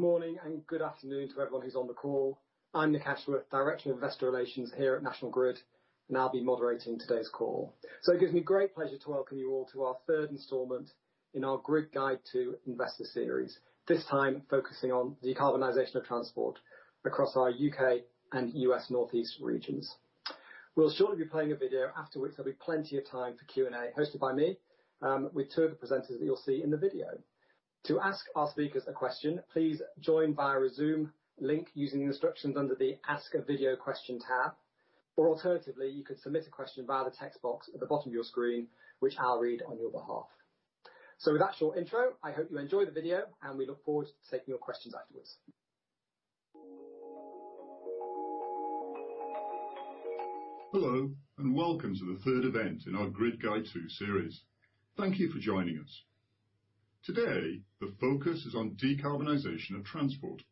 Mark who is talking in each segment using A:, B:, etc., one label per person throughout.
A: Good morning and good afternoon to everyone who's on the call. I'm Nick Ashworth, Director of Investor Relations here at National Grid, and I'll be moderating today's call. It gives me great pleasure to welcome you all to our third installment in our Grid Guide to Investor Series, this time focusing on decarbonisation of transport across our U.K. and U.S. Northeast regions. We'll shortly be playing a video, after which there'll be plenty of time for Q&A hosted by me with two of the presenters that you'll see in the video. To ask our speakers a question, please join via a Zoom link using the instructions under the Ask a Video Question tab, or alternatively, you can submit a question via the text box at the bottom of your screen, which I'll read on your behalf. With that short intro, I hope you enjoy the video, and we look forward to taking your questions afterwards. Hello and welcome to the third event in our Grid Guide 2 series. Thank you for joining us. Today, the focus is on decarbonisation of transport.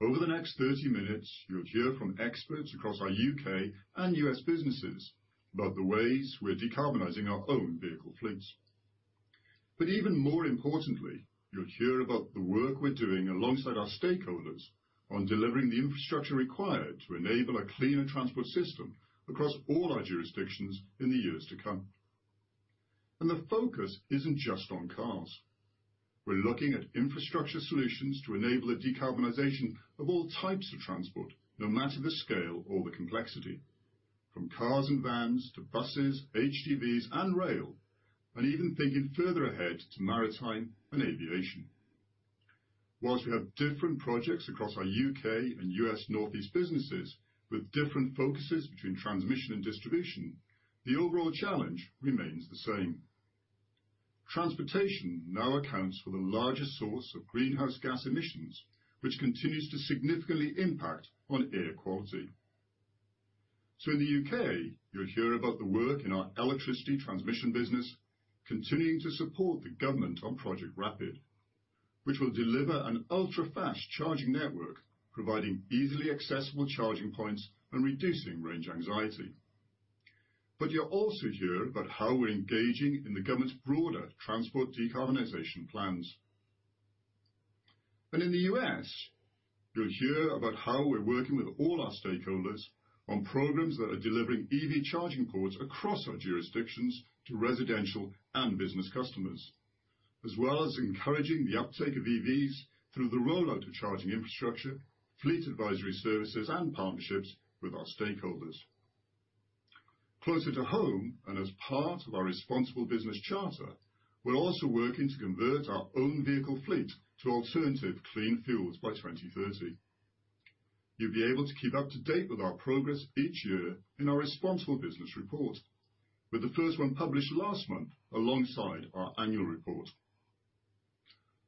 A: Over the next 30 minutes, you'll hear from experts across our U.K. and U.S. businesses about the ways we're decarbonising our own vehicle fleets. Even more importantly, you'll hear about the work we're doing alongside our stakeholders on delivering the infrastructure required to enable a cleaner transport system across all our jurisdictions in the years to come. The focus isn't just on cars. We're looking at infrastructure solutions to enable a decarbonisation of all types of transport, no matter the scale or the complexity, from cars and vans to buses, HDVs, and rail, and even thinking further ahead to maritime and aviation. Whilst we have different projects across our U.K. and U.S. Northeast businesses with different focuses between transmission and distribution, the overall challenge remains the same. Transportation now accounts for the largest source of greenhouse gas emissions, which continues to significantly impact air quality. In the U.K., you'll hear about the work in our electricity transmission business, continuing to support the government on Project Rapid, which will deliver an ultra-fast charging network, providing easily accessible charging points and reducing range anxiety. You'll also hear about how we're engaging in the government's broader transport decarbonisation plans. In the US, you'll hear about how we're working with all our stakeholders on programs that are delivering EV charging ports across our jurisdictions to residential and business customers, as well as encouraging the uptake of EVs through the rollout of charging infrastructure, fleet advisory services, and partnerships with our stakeholders. Closer to home and as part of our Responsible Business Charter, we're also working to convert our own vehicle fleet to alternative clean fuels by 2030. You'll be able to keep up to date with our progress each year in our Responsible Business Report, with the first one published last month alongside our annual report.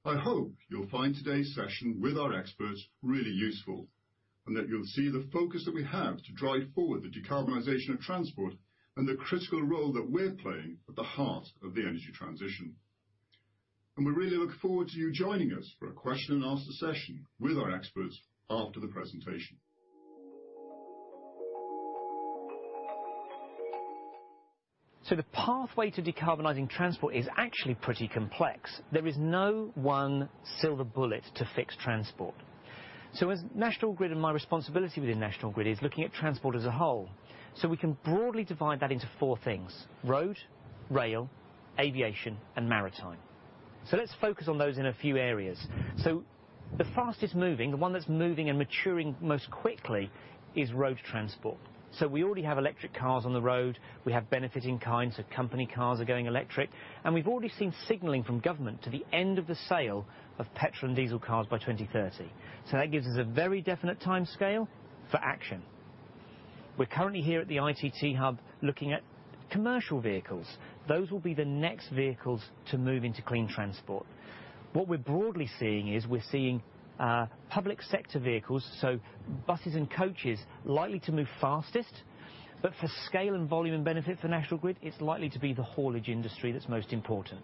A: I hope you'll find today's session with our experts really useful and that you'll see the focus that we have to drive forward the decarbonisation of transport and the critical role that we're playing at the heart of the energy transition. We really look forward to you joining us for a question-and-answer session with our experts after the presentation. The pathway to decarbonising transport is actually pretty complex. There is no one silver bullet to fix transport. As National Grid and my responsibility within National Grid is looking at transport as a whole, we can broadly divide that into four things: road, rail, aviation, and maritime. Let's focus on those in a few areas. The fastest-moving, the one that's moving and maturing most quickly, is road transport. We already have electric cars on the road. We have benefiting kinds of company cars that are going electric. We've already seen signalling from government to the end of the sale of petrol and diesel cars by 2030. That gives us a very definite time scale for action. We're currently here at the ITT Hub looking at commercial vehicles. Those will be the next vehicles to move into clean transport. What we're broadly seeing is we're seeing public sector vehicles, so buses and coaches, likely to move fastest. For scale and volume, and benefit for National Grid, it's likely to be the haulage industry that's most important.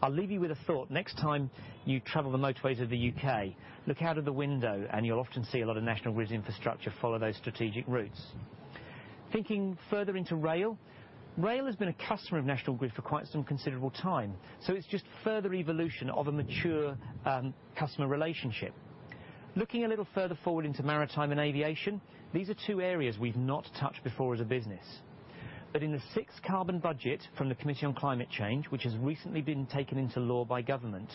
A: I'll leave you with a thought. Next time you travel the motorways of the U.K., look out of the window, and you'll often see a lot of National Grid's infrastructure follow those strategic routes. Thinking further into rail, rail has been a customer of National Grid for quite some considerable time. It's just further evolution of a mature customer relationship. Looking a little further forward into maritime and aviation, these are two areas we've not touched before as a business. In the sixth carbon budget from the Committee on Climate Change, which has recently been taken into law by government,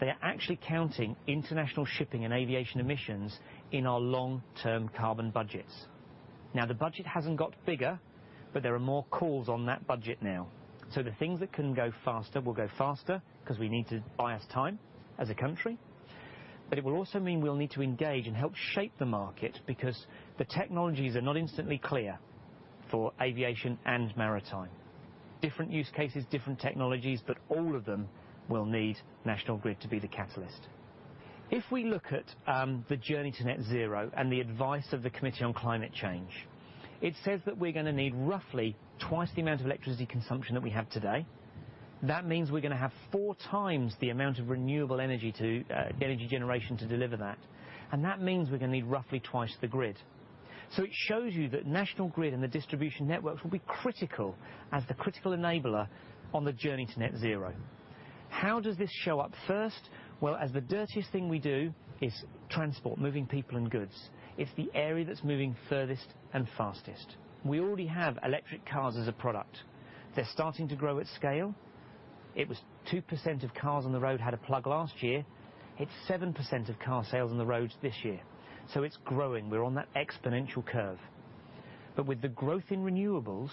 A: they are actually counting international shipping and aviation emissions in our long-term carbon budgets. Now, the budget has not got bigger, but there are more calls on that budget now. The things that can go faster will go faster because we need to buy us time as a country. It will also mean we will need to engage and help shape the market because the technologies are not instantly clear for aviation and maritime. Different use cases, different technologies, but all of them will need National Grid to be the catalyst. If we look at the journey to net zero and the advice of the Committee on Climate Change, it says that we are going to need roughly twice the amount of electricity consumption that we have today. That means we're going to have four times the amount of renewable energy to energy generation to deliver that. That means we're going to need roughly twice the grid. It shows you that National Grid and the distribution networks will be critical as the critical enabler on the journey to net zero. How does this show up? First, as the dirtiest thing we do is transport, moving people and goods. It's the area that's moving furthest and fastest. We already have electric cars as a product. They're starting to grow at scale. It was 2% of cars on the road had a plug last year. It's 7% of car sales on the roads this year. It's growing. We're on that exponential curve. With the growth in renewables,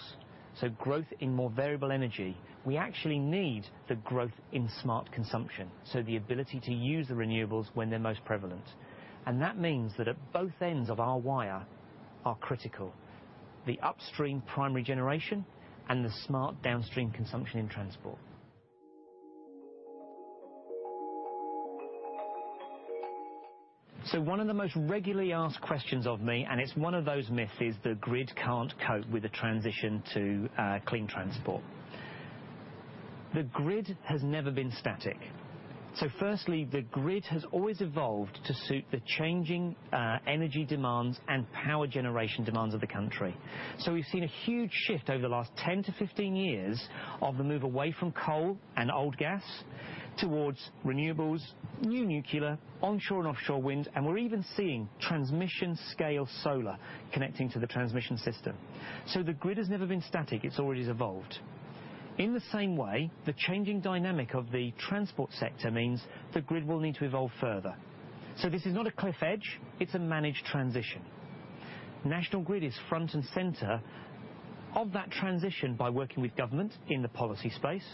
A: so growth in more variable energy, we actually need the growth in smart consumption, the ability to use the renewables when they're most prevalent. That means that at both ends of our wire are critical: the upstream primary generation and the smart downstream consumption in transport. One of the most regularly asked questions of me, and it's one of those myths, is the grid can't cope with the transition to clean transport. The grid has never been static. Firstly, the grid has always evolved to suit the changing energy demands and power generation demands of the country. We've seen a huge shift over the last 10 to 15 years of the move away from coal and old gas towards renewables, new nuclear, onshore and offshore wind, and we're even seeing transmission-scale solar connecting to the transmission system. The grid has never been static. It's always evolved. In the same way, the changing dynamic of the transport sector means the grid will need to evolve further. This is not a cliff edge. It's a managed transition. National Grid is front and center of that transition by working with government in the policy space,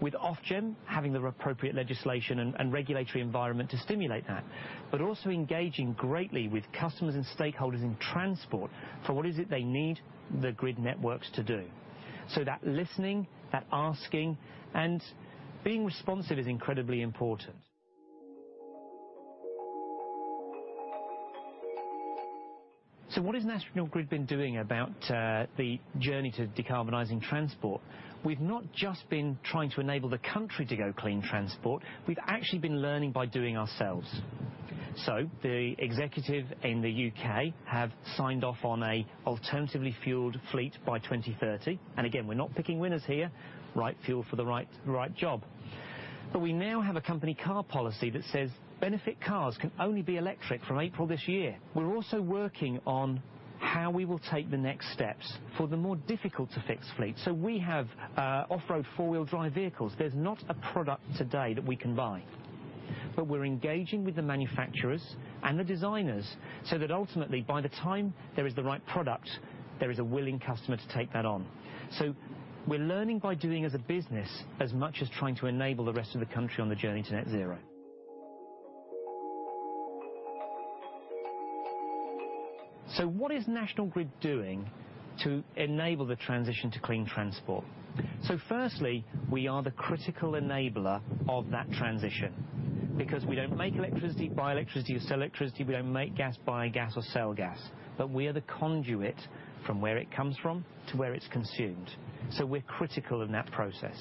A: with Ofgem having the appropriate legislation and regulatory environment to stimulate that, but also engaging greatly with customers and stakeholders in transport for what is it they need the grid networks to do. That listening, that asking, and being responsive is incredibly important. What has National Grid been doing about the journey to decarbonizing transport? We've not just been trying to enable the country to go clean transport. We've actually been learning by doing ourselves. The executive in the U.K. have signed off on an alternatively fueled fleet by 2030. We are not picking winners here. Right fuel for the right job. We now have a company car policy that says benefit cars can only be electric from April this year. We are also working on how we will take the next steps for the more difficult-to-fix fleet. We have off-road four-wheel drive vehicles. There is not a product today that we can buy. We are engaging with the manufacturers and the designers so that ultimately, by the time there is the right product, there is a willing customer to take that on. We are learning by doing as a business as much as trying to enable the rest of the country on the journey to net zero. What is National Grid doing to enable the transition to clean transport? Firstly, we are the critical enabler of that transition because we do not make electricity by electricity or sell electricity. We do not make gas by gas or sell gas. We are the conduit from where it comes from to where it is consumed. We are critical in that process.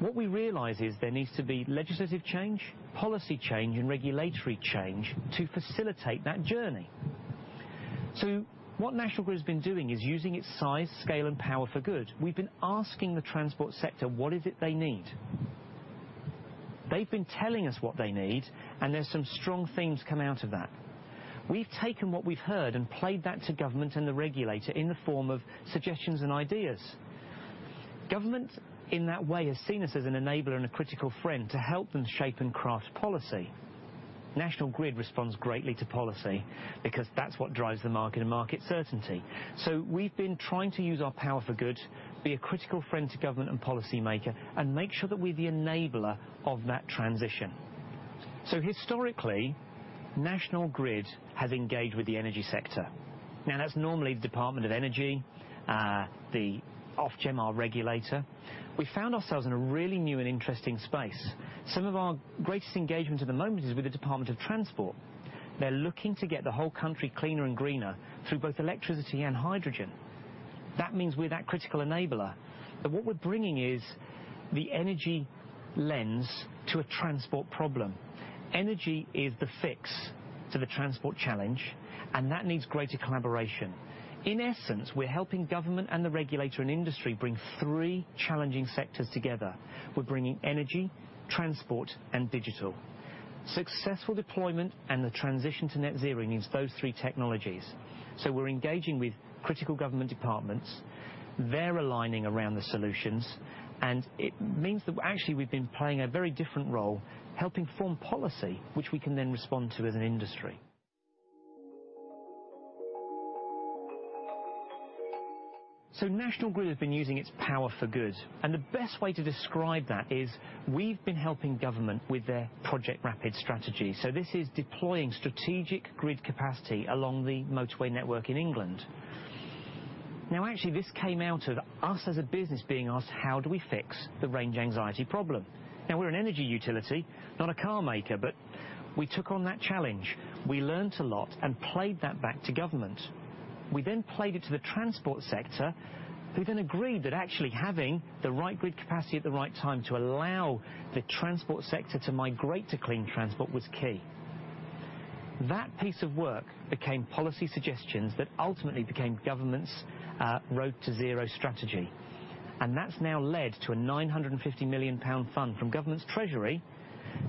A: What we realize is there needs to be legislative change, policy change, and regulatory change to facilitate that journey. What National Grid has been doing is using its size, scale, and power for good. We have been asking the transport sector what it is they need. They have been telling us what they need, and there are some strong themes that come out of that. We have taken what we have heard and played that to government and the regulator in the form of suggestions and ideas. Government, in that way, has seen us as an enabler and a critical friend to help them shape and craft policy. National Grid responds greatly to policy because that's what drives the market and market certainty. We have been trying to use our power for good, be a critical friend to government and policymaker, and make sure that we are the enabler of that transition. Historically, National Grid has engaged with the energy sector. Now, that is normally the Department of Energy, Ofgem, our regulator. We found ourselves in a really new and interesting space. Some of our greatest engagement at the moment is with the Department of Transport. They are looking to get the whole country cleaner and greener through both electricity and hydrogen. That means we are that critical enabler. What we are bringing is the energy lens to a transport problem. Energy is the fix to the transport challenge, and that needs greater collaboration. In essence, we're helping government and the regulator, and industry bring three challenging sectors together. We're bringing energy, transport, and digital. Successful deployment and the transition to net zero needs those three technologies. We're engaging with critical government departments. They're aligning around the solutions. It means that actually we've been playing a very different role. helping form policy, which we can then respond to as an industry. National Grid has been using its power for good. The best way to describe that is we've been helping government with their Project Rapid strategy. This is deploying strategic grid capacity along the motorway network in England. Now, actually, this came out of us as a business being asked, how do we fix the range anxiety problem? Now, we're an energy utility, not a car maker, but we took on that challenge. We learned a lot and played that back to government. We then played it to the transport sector, who then agreed that actually having the right grid capacity at the right time to allow the transport sector to migrate to clean transport was key. That piece of work became policy suggestions that ultimately became government's road to zero strategy. That has now led to a 950 million pound fund from government's treasury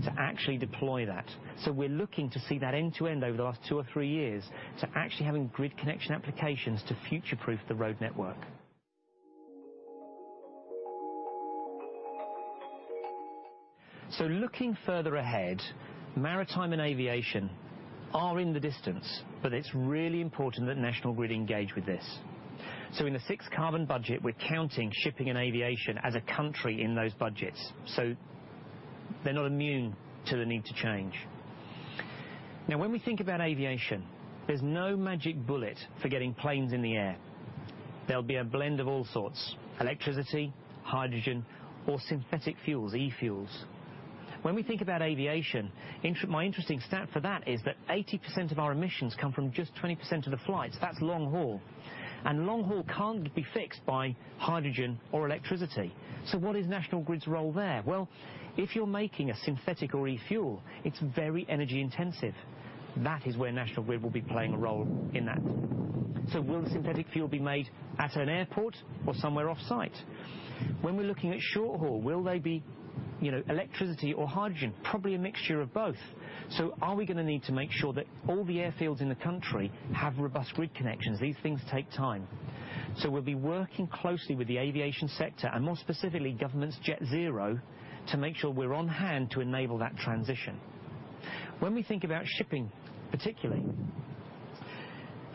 A: to actually deploy that. We are looking to see that end-to-end over the last two or three years to actually having grid connection applications to future-proof the road network. Looking further ahead, maritime and aviation are in the distance, but it is really important that National Grid engage with this. In the sixth carbon budget, we're counting shipping and aviation as a country in those budgets. They're not immune to the need to change. Now, when we think about aviation, there's no magic bullet for getting planes in the air. There'll be a blend of all sorts: electricity, hydrogen, or synthetic fuels, e-fuels. When we think about aviation, my interesting stat for that is that 80% of our emissions come from just 20% of the flights. That's long haul. Long-haul can't be fixed by hydrogen or electricity. What is National Grid's role there? If you're making a synthetic or e-fuel, it's very energy-intensive. That is where National Grid will be playing a role in that. Will synthetic fuel be made at an airport or somewhere off-site? When we're looking at short haul, will they be electricity or hydrogen? Probably a mixture of both. Are we going to need to make sure that all the airfields in the country have robust grid connections? These things take time. We will be working closely with the aviation sector and, more specifically, government's Jet Zero to make sure we are on hand to enable that transition. When we think about shipping, particularly.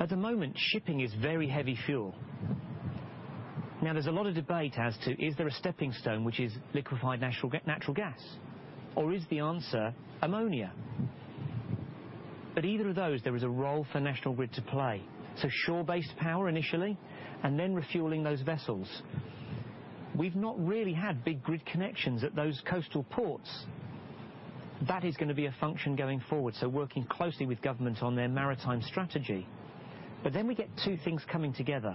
A: At the moment, shipping is very heavy fuel. There is a lot of debate as to is there a stepping stone, which is liquefied natural gas, or is the answer ammonia? Either of those, there is a role for National Grid to play. Shore-based power initially and then refueling those vessels. We have not really had big grid connections at those coastal ports. That is going to be a function going forward. We are working closely with government on their maritime strategy. We get two things coming together.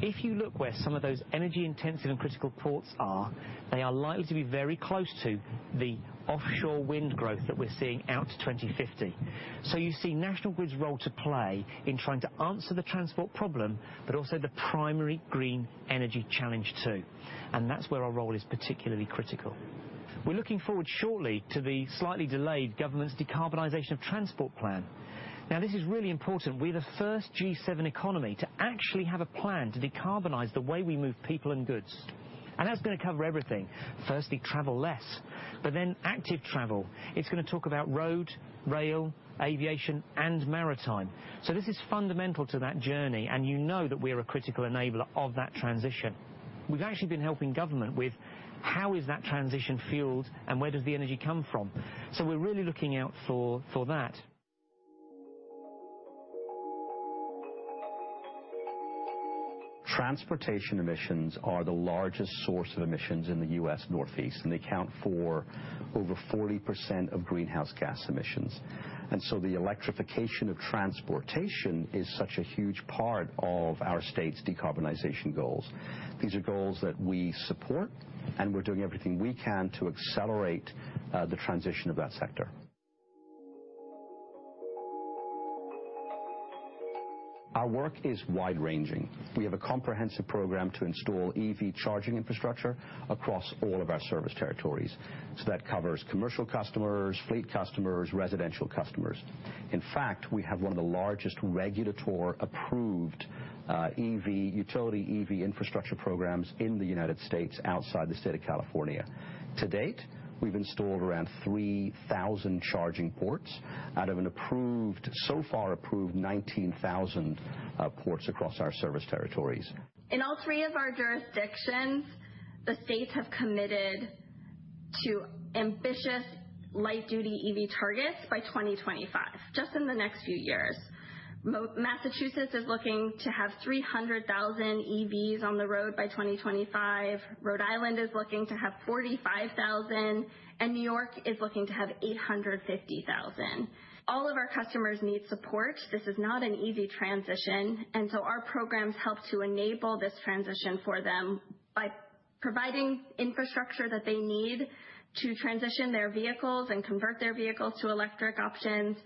A: If you look where some of those energy-intensive and critical ports are, they are likely to be very close to the offshore wind growth that we are seeing out to 2050. You see National Grid's role to play in trying to answer the transport problem, but also the primary green energy challenge. too. That is where our role is particularly critical. We are looking forward shortly to the slightly delayed government's decarbonisation of transport plan. This is really important. We are the first G7 economy to actually have a plan to decarbonise the way we move people and goods. That is going to cover everything. Firstly, travel less, but then active travel. It is going to talk about road, rail, aviation, and maritime. This is fundamental to that journey. You know that we are a critical enabler of that transition. We've actually been helping government with how is that transition fuelled and where does the energy come from. We're really looking out for that. Transportation emissions are the largest source of emissions in the U.S. Northeast, and they account for over 40% of greenhouse gas emissions. The electrification of transportation is such a huge part of our state's decarbonisation goals. These are goals that we support, and we're doing everything we can to accelerate the transition of that sector. Our work is wide-ranging. We have a comprehensive program to install EV charging infrastructure across all of our service territories. That covers commercial customers, fleet customers, residential customers. In fact, we have one of the largest regulator-approved utility EV infrastructure programs in the United States outside the state of California. To date, we've installed around 3,000 charging ports out of so far approved 19,000 ports across our service territories. In all three of our jurisdictions, the states have committed to ambitious light-duty EV targets by 2025, just in the next few years. Massachusetts is looking to have 300,000 EVs on the road by 2025. Rhode Island is looking to have 45,000, and New York is looking to have 850,000. All of our customers need support. This is not an easy transition. Our programs help to enable this transition for them by providing infrastructure that they need to transition their vehicles and convert their vehicles to electric options,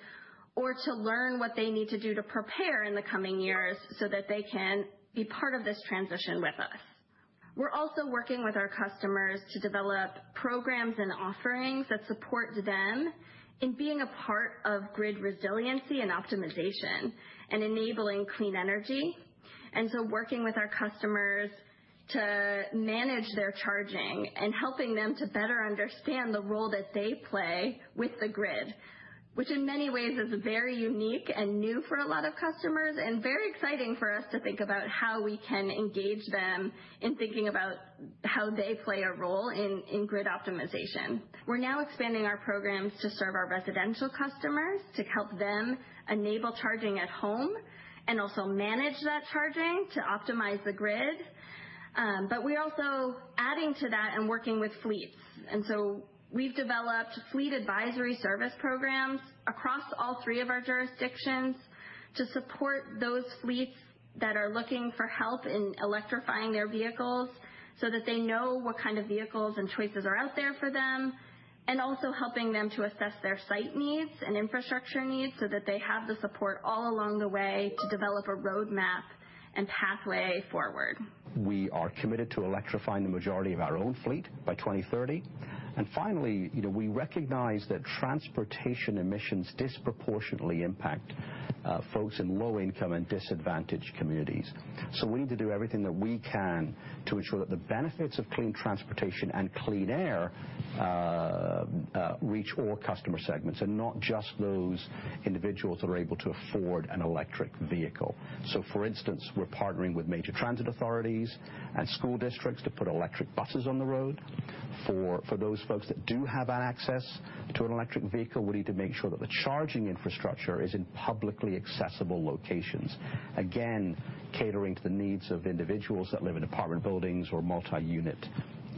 A: or to learn what they need to do to prepare in the coming years, so that they can be part of this transition with us. We're also working with our customers to develop programs and offerings that support them in being a part of grid resiliency and optimization, and enabling clean energy. Working with our customers to manage their charging and helping them to better understand the role that they play with the grid, which in many ways is very unique and new for a lot of customers, and very exciting for us to think about how we can engage them in thinking about how they play a role in grid optimization. We are now expanding our programs to serve our residential customers to help them enable charging at home and also manage that charging to optimize the grid. We are also adding to that and working with fleets. We have developed fleet advisory service programs across all three of our jurisdictions to support those fleets that are looking for help in electrifying their vehicles so that they know what kind of vehicles and choices are out there for them and also helping them to assess their site needs and infrastructure needs so that they have the support all along the way to develop a roadmap and pathway forward. We are committed to electrifying the majority of our own fleet by 2030. Finally, we recognize that transportation emissions disproportionately impact folks in low-income and disadvantaged communities. We need to do everything that we can to ensure that the benefits of clean transportation and clean air reach all customer segments and not just those individuals that are able to afford an electric vehicle. For instance, we're partnering with major transit authorities and school districts to put electric buses on the road. For those folks that do have access to an electric vehicle, we need to make sure that the charging infrastructure is in publicly accessible locations, again, catering to the needs of individuals that live in apartment buildings or multi-unit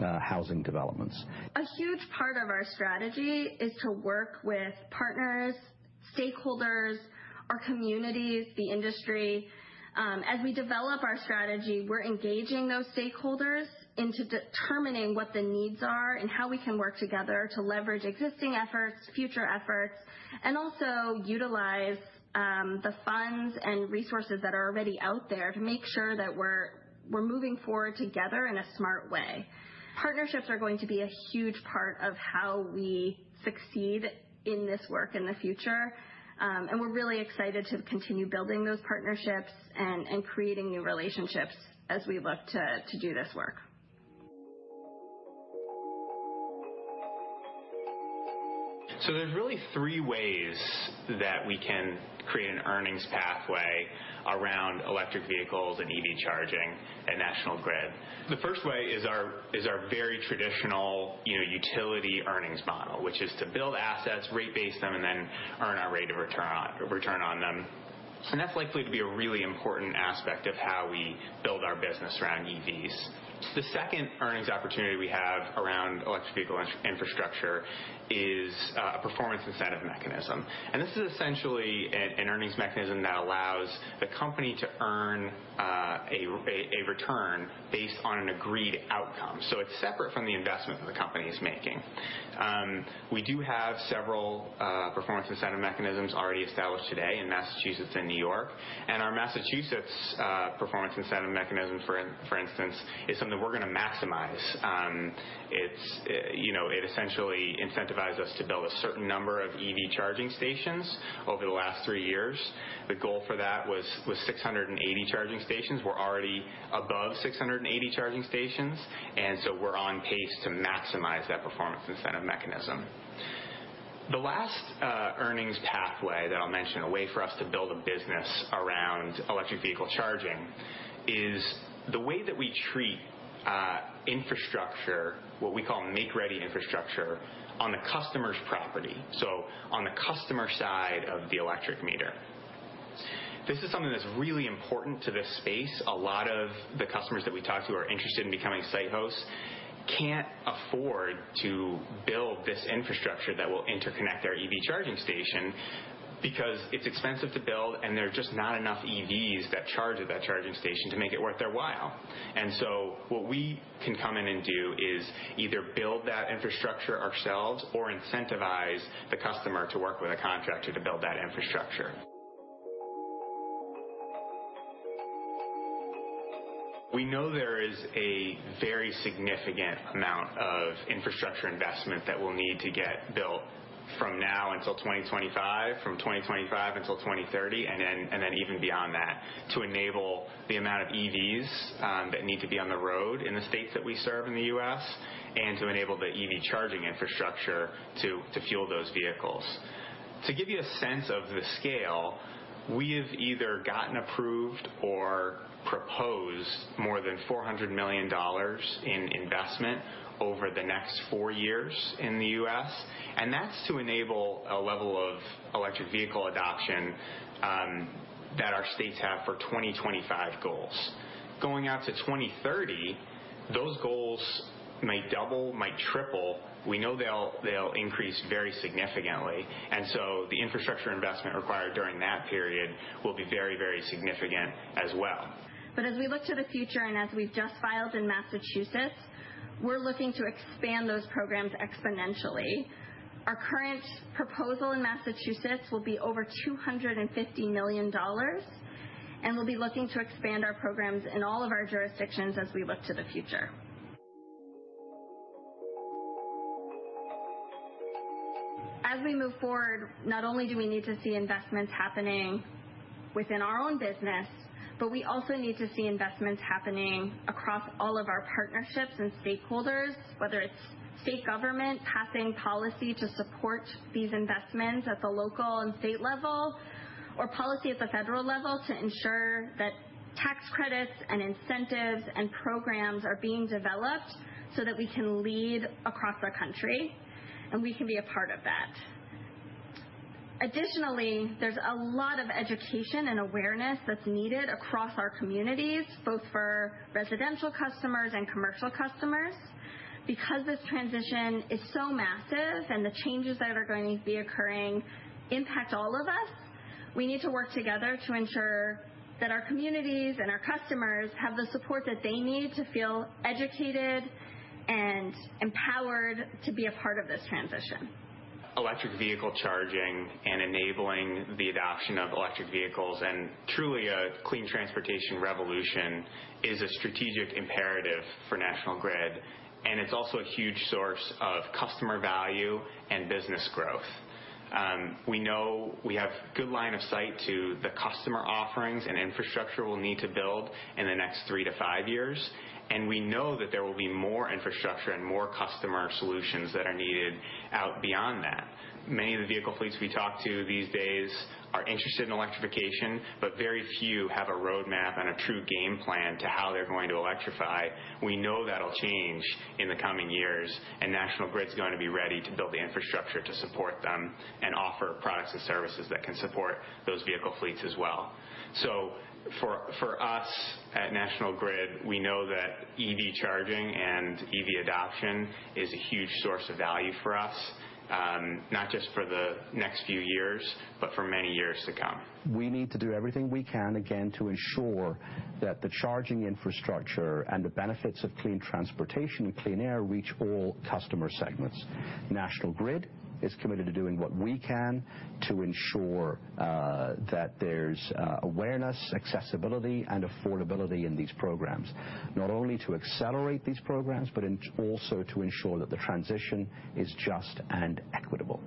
A: housing developments. A huge part of our strategy is to work with partners, stakeholders, our communities, the industry. As we develop our strategy, we're engaging those stakeholders into determining what the needs are and how we can work together to leverage existing efforts, future efforts, and also utilize the funds and resources that are already out there to make sure that we're moving forward together in a smart way. Partnerships are going to be a huge part of how we succeed in this work in the future. We are really excited to continue building those partnerships and creating new relationships as we look to do this work. There are really three ways that we can create an earnings pathway around electric vehicles and EV charging at National Grid. The first way is our very traditional utility earnings model, which is to build assets, rate-base them, and then earn our rate of return on them. That is likely to be a really important aspect of how we build our business around EVs. The second earnings opportunity we have around electric vehicle infrastructure is a performance incentive mechanism. This is essentially an earnings mechanism that allows the company to earn a return based on an agreed outcome. It is separate from the investment that the company is making. We do have several performance incentive mechanisms already established today in Massachusetts and New York. Our Massachusetts performance incentive mechanism, for instance, is something we are going to maximize. It essentially incentivizes us to build a certain number of EV charging stations over the last three years. The goal for that was 680 charging stations. We are already above 680 charging stations. We are on pace to maximize that performance incentive mechanism. The last earnings pathway that I will mention, a way for us to build a business around electric vehicle charging, is the way that we treat infrastructure, what we call make-ready infrastructure, on the customer's property, on the customer side of the electric meter. This is something that is really important to this space. A lot of the customers that we talk to who are interested in becoming site hosts cannot afford to build this infrastructure that will interconnect their EV charging station because it is expensive to build, and there are just not enough EVs that charge at that charging station to make it worth their while. What we can come in and do is either build that infrastructure ourselves or incentivize the customer to work with a contractor to build that infrastructure. We know there is a very significant amount of infrastructure investment that we will need to get built from now until 2025, from 2025 until 2030, and then even beyond that to enable the amount of EVs that need to be on the road in the states that we serve in the U.S. and to enable the EV charging infrastructure to fuel those vehicles. To give you a sense of the scale, we have either gotten approved or proposed more than $400 million in investment over the next four years in the U.S. That is to enable a level of electric vehicle adoption that our states have for 2025 goals. Going out to 2030, those goals might double, might triple. We know they'll increase very significantly. The infrastructure investment required during that period will be very, very significant as well. As we look to the future and as we've just filed in Massachusetts, we're looking to expand those programs exponentially. Our current proposal in Massachusetts will be over $250 million, and we'll be looking to expand our programs in all of our jurisdictions as we look to the future. As we move forward, not only do we need to see investments happening within our own business, but we also need to see investments happening across all of our partnerships and stakeholders, whether it is state government passing policy to support these investments at the local and state level or policy at the federal level to ensure that tax credits and incentives and programs are being developed so that we can lead across the country and we can be a part of that. Additionally, there is a lot of education and awareness that is needed across our communities, both for residential customers and commercial customers. Because this transition is so massive and the changes that are going to be occurring impact all of us, we need to work together to ensure that our communities and our customers have the support that they need to feel educated and empowered to be a part of this transition. Electric vehicle charging and enabling the adoption of electric vehicles, and truly a clean transportation revolution, is a strategic imperative for National Grid. It is also a huge source of customer value and business growth. We know we have a good line of sight to the customer offerings and infrastructure we will need to build in the next three to five years. We know that there will be more infrastructure and more customer solutions that are needed out beyond that. Many of the vehicle fleets we talk to these days are interested in electrification, but very few have a roadmap and a true game plan to how they're going to electrify. We know that'll change in the coming years, and National Grid's going to be ready to build the infrastructure to support them and offer products and services that can support those vehicle fleets as well. For us at National Grid, we know that EV charging and EV adoption is a huge source of value for us, not just for the next few years, but for many years to come. We need to do everything we can, again, to ensure that the charging infrastructure and the benefits of clean transportation and clean air reach all customer segments. National Grid is committed to doing what we can to ensure that there is awareness, accessibility, and affordability in these programs, not only to accelerate these programs but also to ensure that the transition is just and equitable.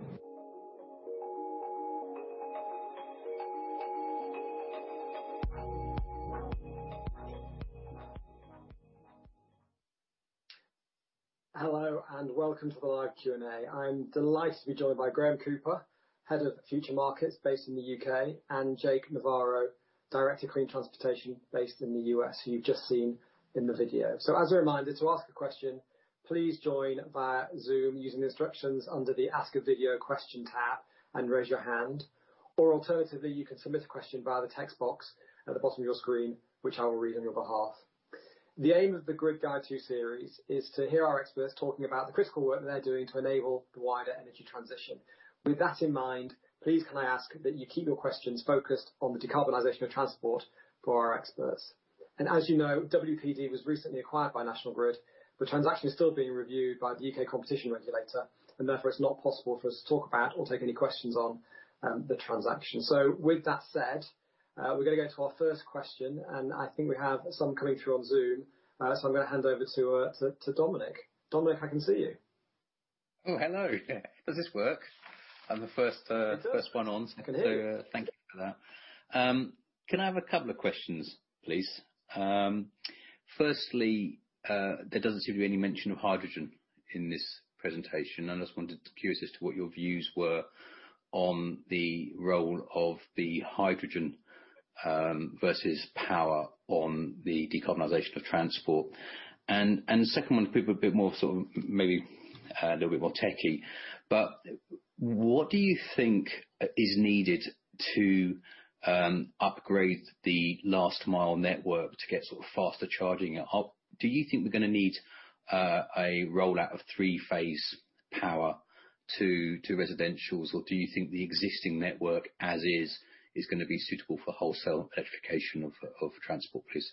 A: Hello and welcome to the live Q&A. I am delighted to be joined by Graeme Cooper, Head of Future Markets based in the U.K., and Jake Navarro, Director of Clean Transportation based in the U.S., who you have just seen in the video. As a reminder, to ask a question, please join via Zoom using the instructions under the Ask a Video Question tab and raise your hand. Alternatively, you can submit a question via the text box at the bottom of your screen, which I will read on your behalf. The aim of the Grid Guide 2 series is to hear our experts talking about the critical work that they are doing to enable the wider energy transition. With that in mind, please, can I ask that you keep your questions focused on the decarbonisation of transport for our experts? As you know, WPD was recently acquired by National Grid. The transaction is still being reviewed by the U.K. Competition Regulator, and therefore, it is not possible for us to talk about, or take any questions on the transaction. With that said, we are going to go to our first question, and I think we have some coming through on Zoom. I am going to hand over to Dominic. Dominic, I can see you. Oh, hello. Does this work? I am the first one on, so thank you for that. Can I have a couple of questions, please? Firstly, there doesn't seem to be any mention of hydrogen in this presentation. I just wanted to curious as to what your views were on the role of the hydrogen versus power on the decarbonisation of transport. The second one could be a bit more sort of maybe a little bit more techie. What do you think is needed to upgrade the last mile network to get sort of faster charging? Do you think we're going to need a rollout of three-phase power to residentials, or do you think the existing network as is is going to be suitable for wholesale electrification of transport, please?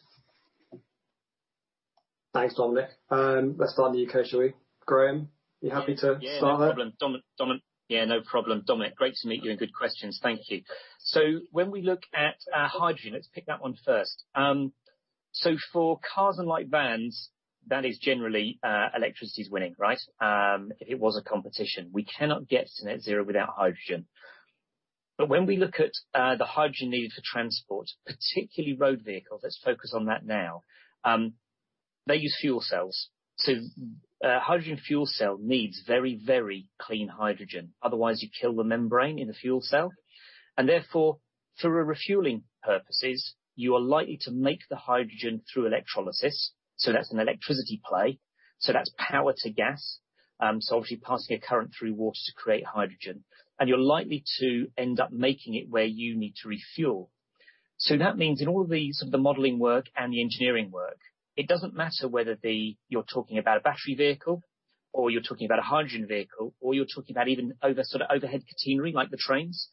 A: Thanks, Dominic. Let's start in the U.K., shall we? Graeme, are you happy to start there?
B: Yeah, no problem. Dominic, great to meet you and good questions. Thank you. When we look at hydrogen, let's pick that one first. For cars and light vans, that is generally electricity is winning, right? If it was a competition, we cannot get to net zero without hydrogen. When we look at the hydrogen needed for transport, particularly road vehicles, let's focus on that now. They use fuel cells. Hydrogen fuel cell needs very, very clean hydrogen. Otherwise, you kill the membrane in the fuel cell. Therefore, for refueling purposes, you are likely to make the hydrogen through electrolysis. That is an electricity play. That is power to gas, obviously passing a current through water to create hydrogen. You are likely to end up making it where you need to refuel. That means in all of the sort of the modeling work and the engineering work, it does not matter whether you are talking about a battery vehicle, or you are talking about a hydrogen vehicle, or you are talking about even overhead catenary, like the trains.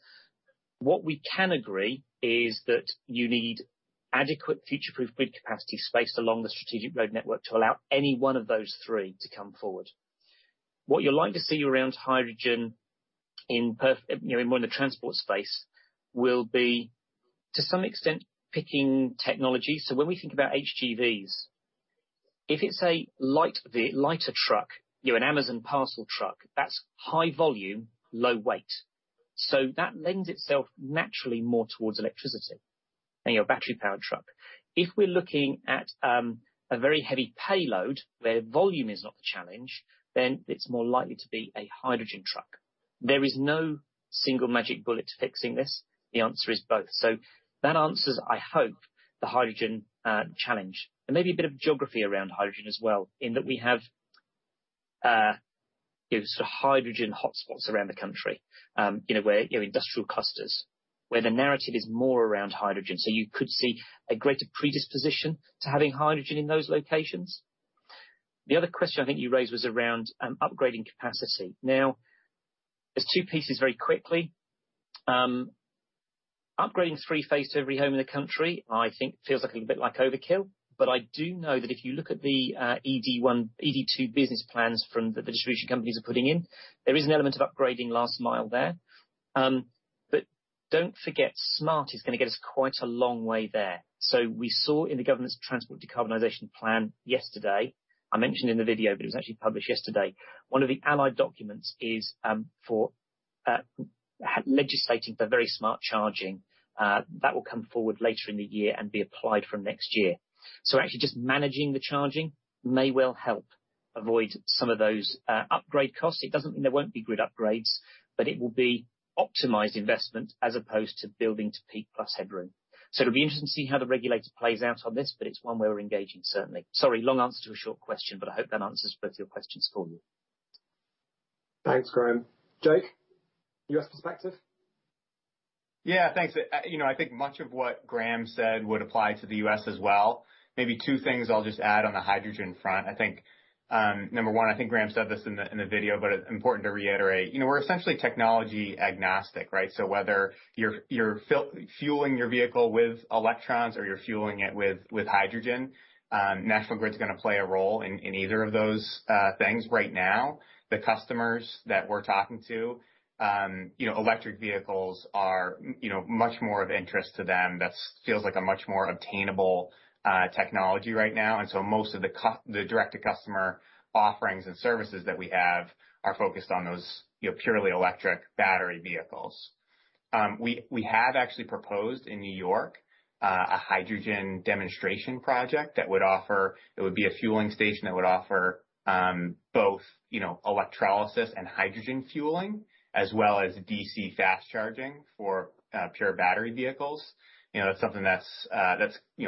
B: What we can agree is that you need adequate future-proof grid capacity spaced along the strategic road network to allow any one of those three to come forward. What you are likely to see around hydrogen more in the transport space will be, to some extent, picking technology. When we think about HGVs, if it is a lighter truck, an Amazon parcel truck, that is high volume, low weight. That lends itself naturally more towards electricity than your battery-powered truck. If we are looking at a very heavy payload where volume is not the challenge, then it is more likely to be a hydrogen truck. There is no single magic bullet to fixing this. The answer is both. That answers, I hope, the hydrogen challenge. Maybe a bit of geography around hydrogen as well, in that we have sort of hydrogen hotspots around the country, where industrial clusters, where the narrative is more around hydrogen. You could see a greater predisposition to having hydrogen in those locations. The other question I think you raised was around upgrading capacity. Now, there are two pieces very quickly. Upgrading three-phase to every home in the country, I think, feels a little bit like overkill. I do know that if you look at the ED2 business plans from the distribution companies are putting in, there is an element of upgrading last mile there. Do not forget, smart is going to get us quite a long way there. We saw in the government's transport decarbonisation plan yesterday, I mentioned in the video, but it was actually published yesterday, one of the allied documents is for legislating for very smart charging. That will come forward later in the year and be applied from next year. Actually, just managing the charging may well help avoid some of those upgrade costs. It does not mean there will not be grid upgrades, but it will be optimised investment as opposed to building to peak plus headroom. It will be interesting to see how the regulator plays out on this, but it is one way we are engaging, certainly. Sorry, long answer to a short question, but I hope that answers both your questions for you.
A: Thanks, Graeme. Jake, U.S. perspective?
C: Yeah, thanks. You know, I think much of what Graeme said would apply to the U.S. as well. Maybe two things I'll just add on the hydrogen front. I think, number one, I think Graeme said this in the video, but it's important to reiterate. You know, we're essentially technology agnostic, right? So whether you're fueling your vehicle with electrons or you're fueling it with hydrogen, National Grid's going to play a role in either of those things. Right now, the customers that we're talking to, electric vehicles are much more of interest to them. That feels like a much more obtainable technology right now. And so most of the direct-to-customer offerings and services that we have are focused on those purely electric battery vehicles. We have actually proposed in New York a hydrogen demonstration project that would offer it would be a fueling station that would offer both electrolysis and hydrogen fueling, as well as DC fast charging for pure battery vehicles. That's something that's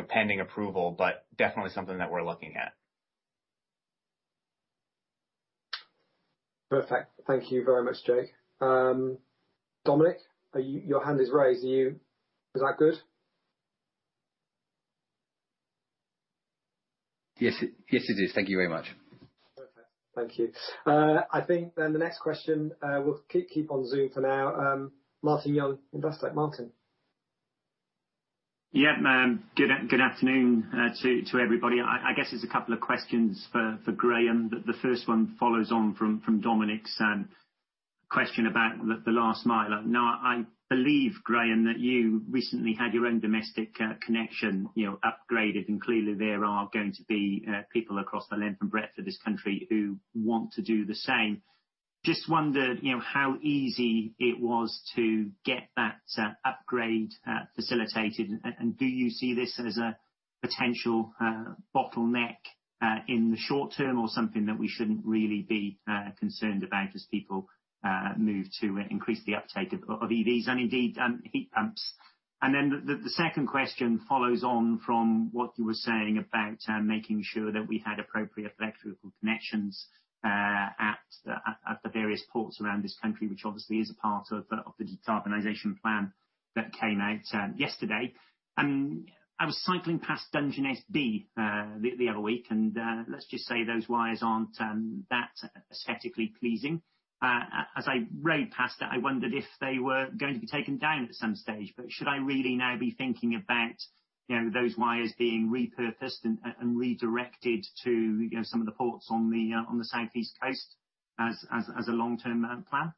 C: pending approval, but definitely something that we're looking at.
A: Perfect. Thank you very much, Jake. Dominic, your hand is raised. Is that good? Yes, it is. Thank you very much. Perfect. Thank you. I think then the next question, we'll keep on Zoom for now. Martin Young, investor, Martin. Yep, good afternoon to everybody. I guess there's a couple of questions for Graeme. The first one follows on from Dominic's question about the last mile. Now, I believe, Graeme, that you recently had your own domestic connection upgraded, and clearly there are going to be people across the length and breadth of this country who want to do the same. Just wondered how easy it was to get that upgrade facilitated, and do you see this as a potential bottleneck in the short term, or something that we should not really be concerned about as people move to increase the uptake of EVs and indeed heat pumps? The second question follows on from what you were saying about making sure that we had appropriate electrical connections at the various ports around this country, which obviously is a part of the decarbonisation plan that came out yesterday. I was cycling past Dungeness B the other week, and let's just say those wires are not that aesthetically pleasing. As I rode past that, I wondered if they were going to be taken down at some stage. Should I really now be thinking about those wires being repurposed and redirected to some of the ports on the Southeast Coast as a long-term plan?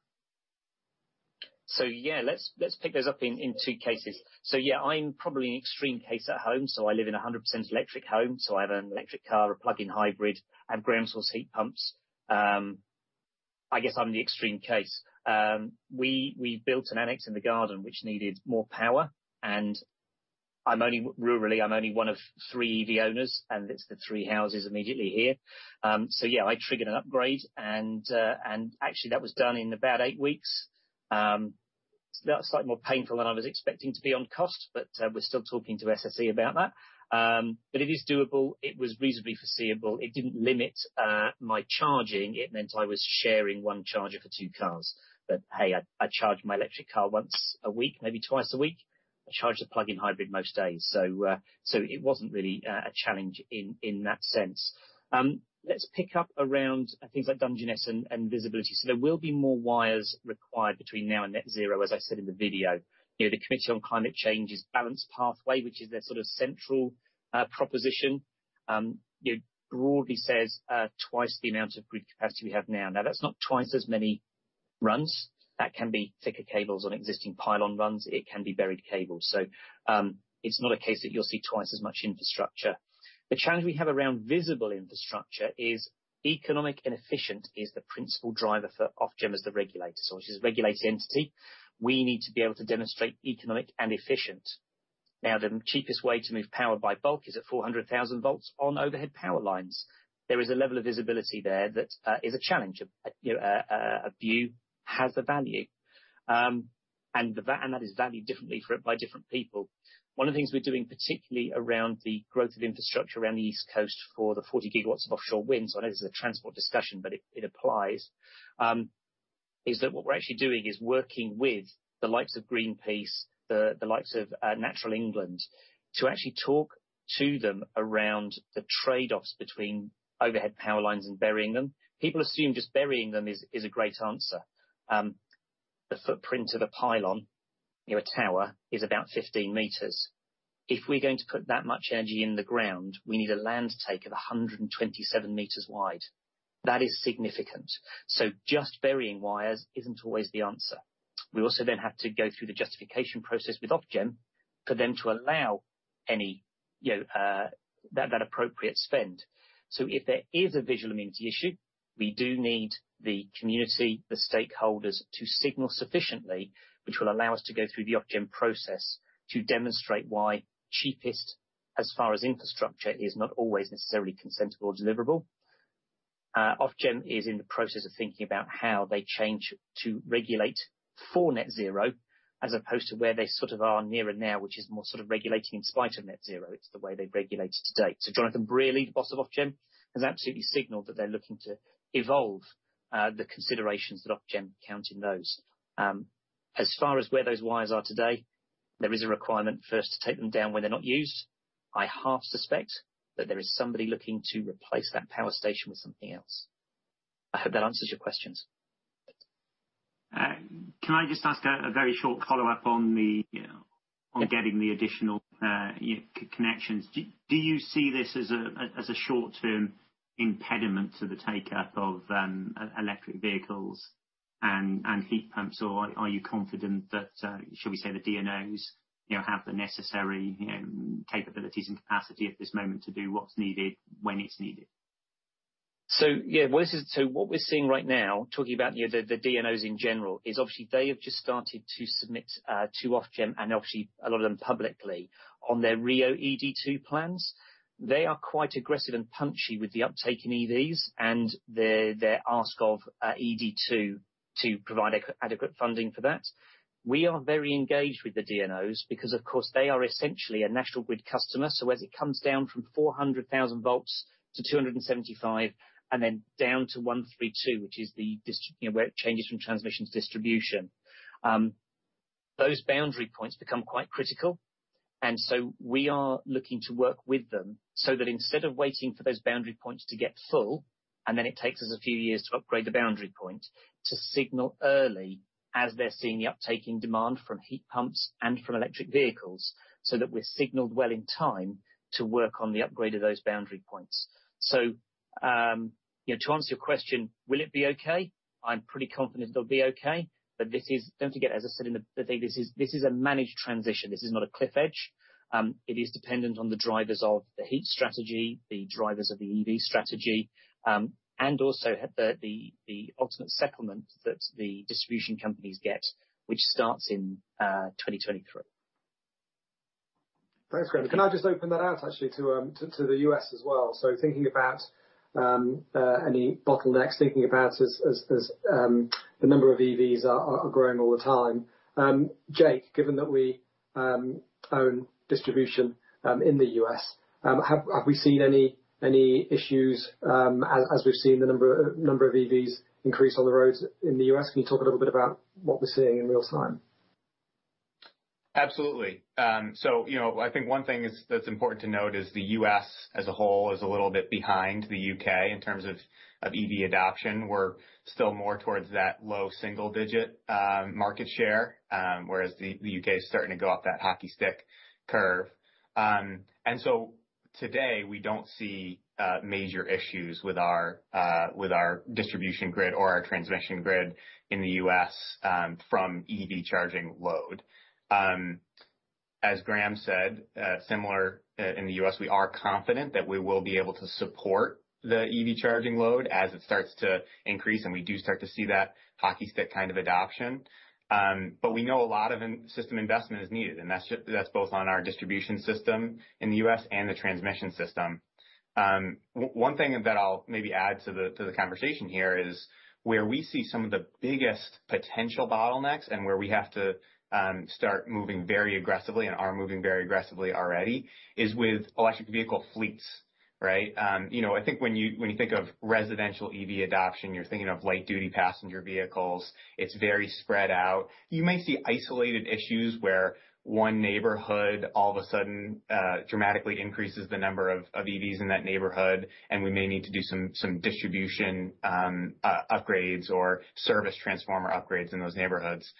B: Yeah, let's pick those up in two cases. Yeah, I'm probably an extreme case at home. I live in a 100% electric home. I have an electric car, a plug-in hybrid, I have ground source heat pumps. I guess I'm the extreme case. We built an annex in the garden, which needed more power. I'm only rurally, I'm only one of three EV owners, and it's the three houses immediately here. Yeah, I triggered an upgrade, and actually, that was done in about eight weeks. That's slightly more painful than I was expecting to be on cost, but we're still talking to SSE about that. It is doable. It was reasonably foreseeable. It did not limit my charging. It meant I was sharing one charger for two cars. I charge my electric car once a week, maybe twice a week. I charge the plug-in hybrid most days. It was not really a challenge in that sense. Let's pick up around things like Dungeness and visibility. There will be more wires required between now and net zero, as I said in the video. The Committee on Climate Change's balance pathway, which is their sort of central proposition, broadly says twice the amount of grid capacity we have now. That is not twice as many runs. That can be thicker cables on existing pylon runs. It can be buried cables. It is not a case that you will see twice as much infrastructure. The challenge we have around visible infrastructure is economic and efficient is the principal driver for Ofgem as the regulator, which is a regulatory entity. We need to be able to demonstrate economic and efficient. Now, the cheapest way to move power by bulk is at 400,000 volts on overhead power lines. There is a level of visibility there that is a challenge. A view has the value, and that is valued differently by different people. One of the things we're doing, particularly around the growth of infrastructure around the East Coast for the 40 GW of offshore wind, I know this is a transport discussion, but it applies, is that what we're actually doing is working with the likes of Greenpeace, the likes of Natural England, to actually talk to them around the trade-offs between overhead power lines and burying them. People assume just burying them is a great answer. The footprint of a pylon, a tower, is about 15 meters. If we're going to put that much energy in the ground, we need a land take of 127 meters wide. That is significant. Just burying wires isn't always the answer. We also then have to go through the justification process with Ofgem for them to allow any that appropriate spend. If there is a visual immunity issue, we do need the community, the stakeholders, to signal sufficiently, which will allow us to go through the Ofgem process to demonstrate why cheapest, as far as infrastructure, is not always necessarily consentable or deliverable. Ofgem is in the process of thinking about how they change to regulate for net zero, as opposed to where they sort of are near and now, which is more sort of regulating in spite of net zero. It's the way they've regulated today. Jonathan Brearley, the boss of Ofgem, has absolutely signaled that they're looking to evolve the considerations that Ofgem count in those. As far as where those wires are today, there is a requirement first to take them down when they're not used. I half suspect that there is somebody looking to replace that power station with something else. I hope that answers your questions. Can I just ask a very short follow-up on getting the additional connections? Do you see this as a short-term impediment to the take-up of electric vehicles and heat pumps? Are you confident that, shall we say, the DNOs have the necessary capabilities and capacity at this moment to do what's needed when it's needed? What we're seeing right now, talking about the DNOs in general, is obviously they have just started to submit to Ofgem, and a lot of them publicly, on their RIIO-ED2 plans. They are quite aggressive and punchy with the uptake in EVs and their ask of ED2 to provide adequate funding for that. We are very engaged with the DNOs because, of course, they are essentially a National Grid customer. As it comes down from 400,000 volts to 275 and then down to 132, which is where it changes from transmission to distribution, those boundary points become quite critical. We are looking to work with them so that instead of waiting for those boundary points to get full, and then it takes us a few years to upgrade the boundary point, to signal early as they're seeing the uptake in demand from heat pumps and from electric vehicles so that we're signaled well in time to work on the upgrade of those boundary points. To answer your question, will it be okay? I'm pretty confident it'll be okay. Don't forget, as I said in the beginning, this is a managed transition. This is not a cliff edge. It is dependent on the drivers of the heat strategy, the drivers of the EV strategy, and also the ultimate settlement that the distribution companies get, which starts in 2023. Thanks, Graeme. Can I just open that out actually, to the U.S. as well? Thinking about any bottlenecks, thinking about the number of EVs are growing all the time. Jake, given that we own distribution in the U.S., have we seen any issues as we've seen the number of EVs increase on the roads in the U.S.? Can you talk a little bit about what we're seeing in real time?
C: Absolutely. I think one thing that's important to note is the U.S. as a whole is a little bit behind the U.K. in terms of EV adoption. We're still more towards that low single-digit market share, whereas the U.K. is starting to go off that hockey stick curve. Today, we do not see major issues with our distribution grid or our transmission grid in the U.S. from EV charging load. As Graeme said, similar in the U.S., we are confident that we will be able to support the EV charging load as it starts to increase, and we do start to see that hockey stick kind of adoption. We know a lot of system investment is needed, and that is both on our distribution system in the U.S. and the transmission system. One thing that I will maybe add to the conversation here is where we see some of the biggest potential bottlenecks and where we have to start moving very aggressively and are moving very aggressively already is with electric vehicle fleets, right? I think when you think of residential EV adoption, you are thinking of light-duty passenger vehicles. It is very spread out. You may see isolated issues where one neighborhood all of a sudden dramatically increases the number of EVs in that neighborhood, and we may need to do some distribution upgrades or service transformer upgrades in those neighborhoods.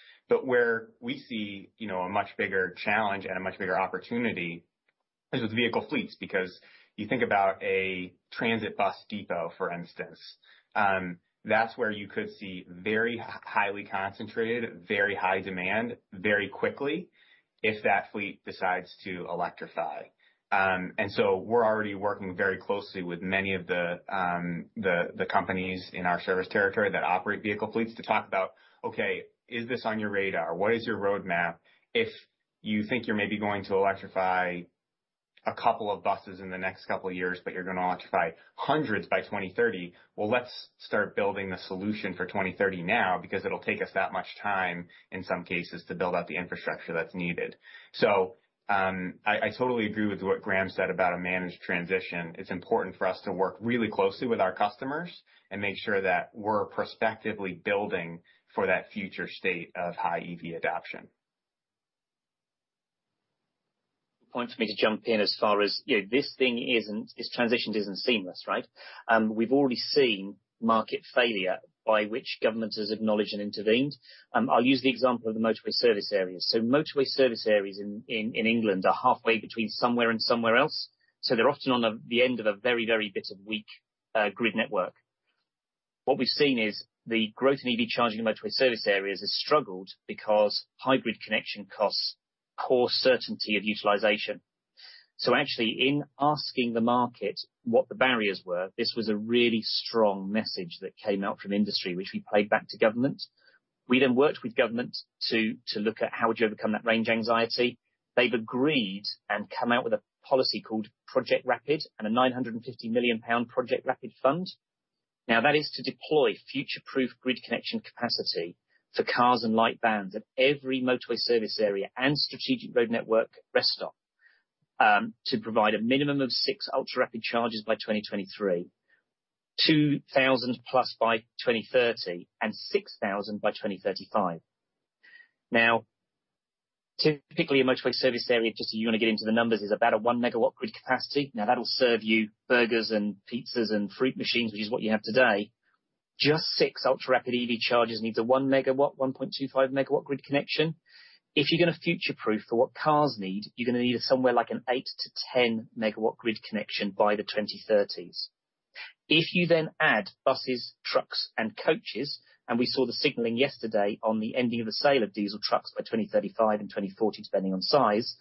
C: Where we see a much bigger challenge and a much bigger opportunity is with vehicle fleets, because you think about a transit bus depot, for instance. That is where you could see very highly concentrated, very high demand, very quickly if that fleet decides to electrify. We are already working very closely with many of the companies in our service territory that operate vehicle fleets to talk about, okay, is this on your radar? What is your roadmap? If you think you're maybe going to electrify a couple of buses in the next couple of years, but you're going to electrify hundreds by 2030, let's start building the solution for 2030 now, because it'll take us that much time in some cases to build out the infrastructure that's needed. I totally agree with what Graeme said about a managed transition. It's important for us to work really closely with our customers and make sure that we're prospectively building for that future state of high EV adoption.
B: Points for me to jump in as far as this thing isn't, this transition isn't seamless, right? We've already seen market failure by which governments have acknowledged and intervened. I'll use the example of the motorway service areas. Motorway service areas in England are halfway between somewhere and somewhere else. They're often on the end of a very, very bit of weak grid network. What we've seen is the growth in EV charging and motorway service areas has struggled because hybrid connection costs, poor certainty of utilization. Actually, in asking the market what the barriers were, this was a really strong message that came out from industry, which we played back to government. We then worked with government to look at how you would overcome that range anxiety. They've agreed and come out with a policy called Project Rapid and a 950 million pound Project Rapid fund. That is to deploy future-proof grid connection capacity for cars and light vans at every motorway service area and strategic road network rest stop to provide a minimum of six ultra-rapid chargers by 2023, 2,000 plus by 2030, and 6,000 by 2035. Now, typically, a motorway service area, just so you want to get into the numbers, is about a 1 megawatt grid capacity. Now, that'll serve you burgers and pizzas and fruit machines, which is what you have today. Just six ultra-rapid EV chargers need a 1 M-W, 1.25 M-W grid connection. If you're going to future-proof for what cars need, you're going to need somewhere like an 8-10 M-W grid connection by the 2030s. If you then add buses, trucks, and coaches, and we saw the signaling yesterday on the ending of the sale of diesel trucks by 2035 and 2040, depending on size,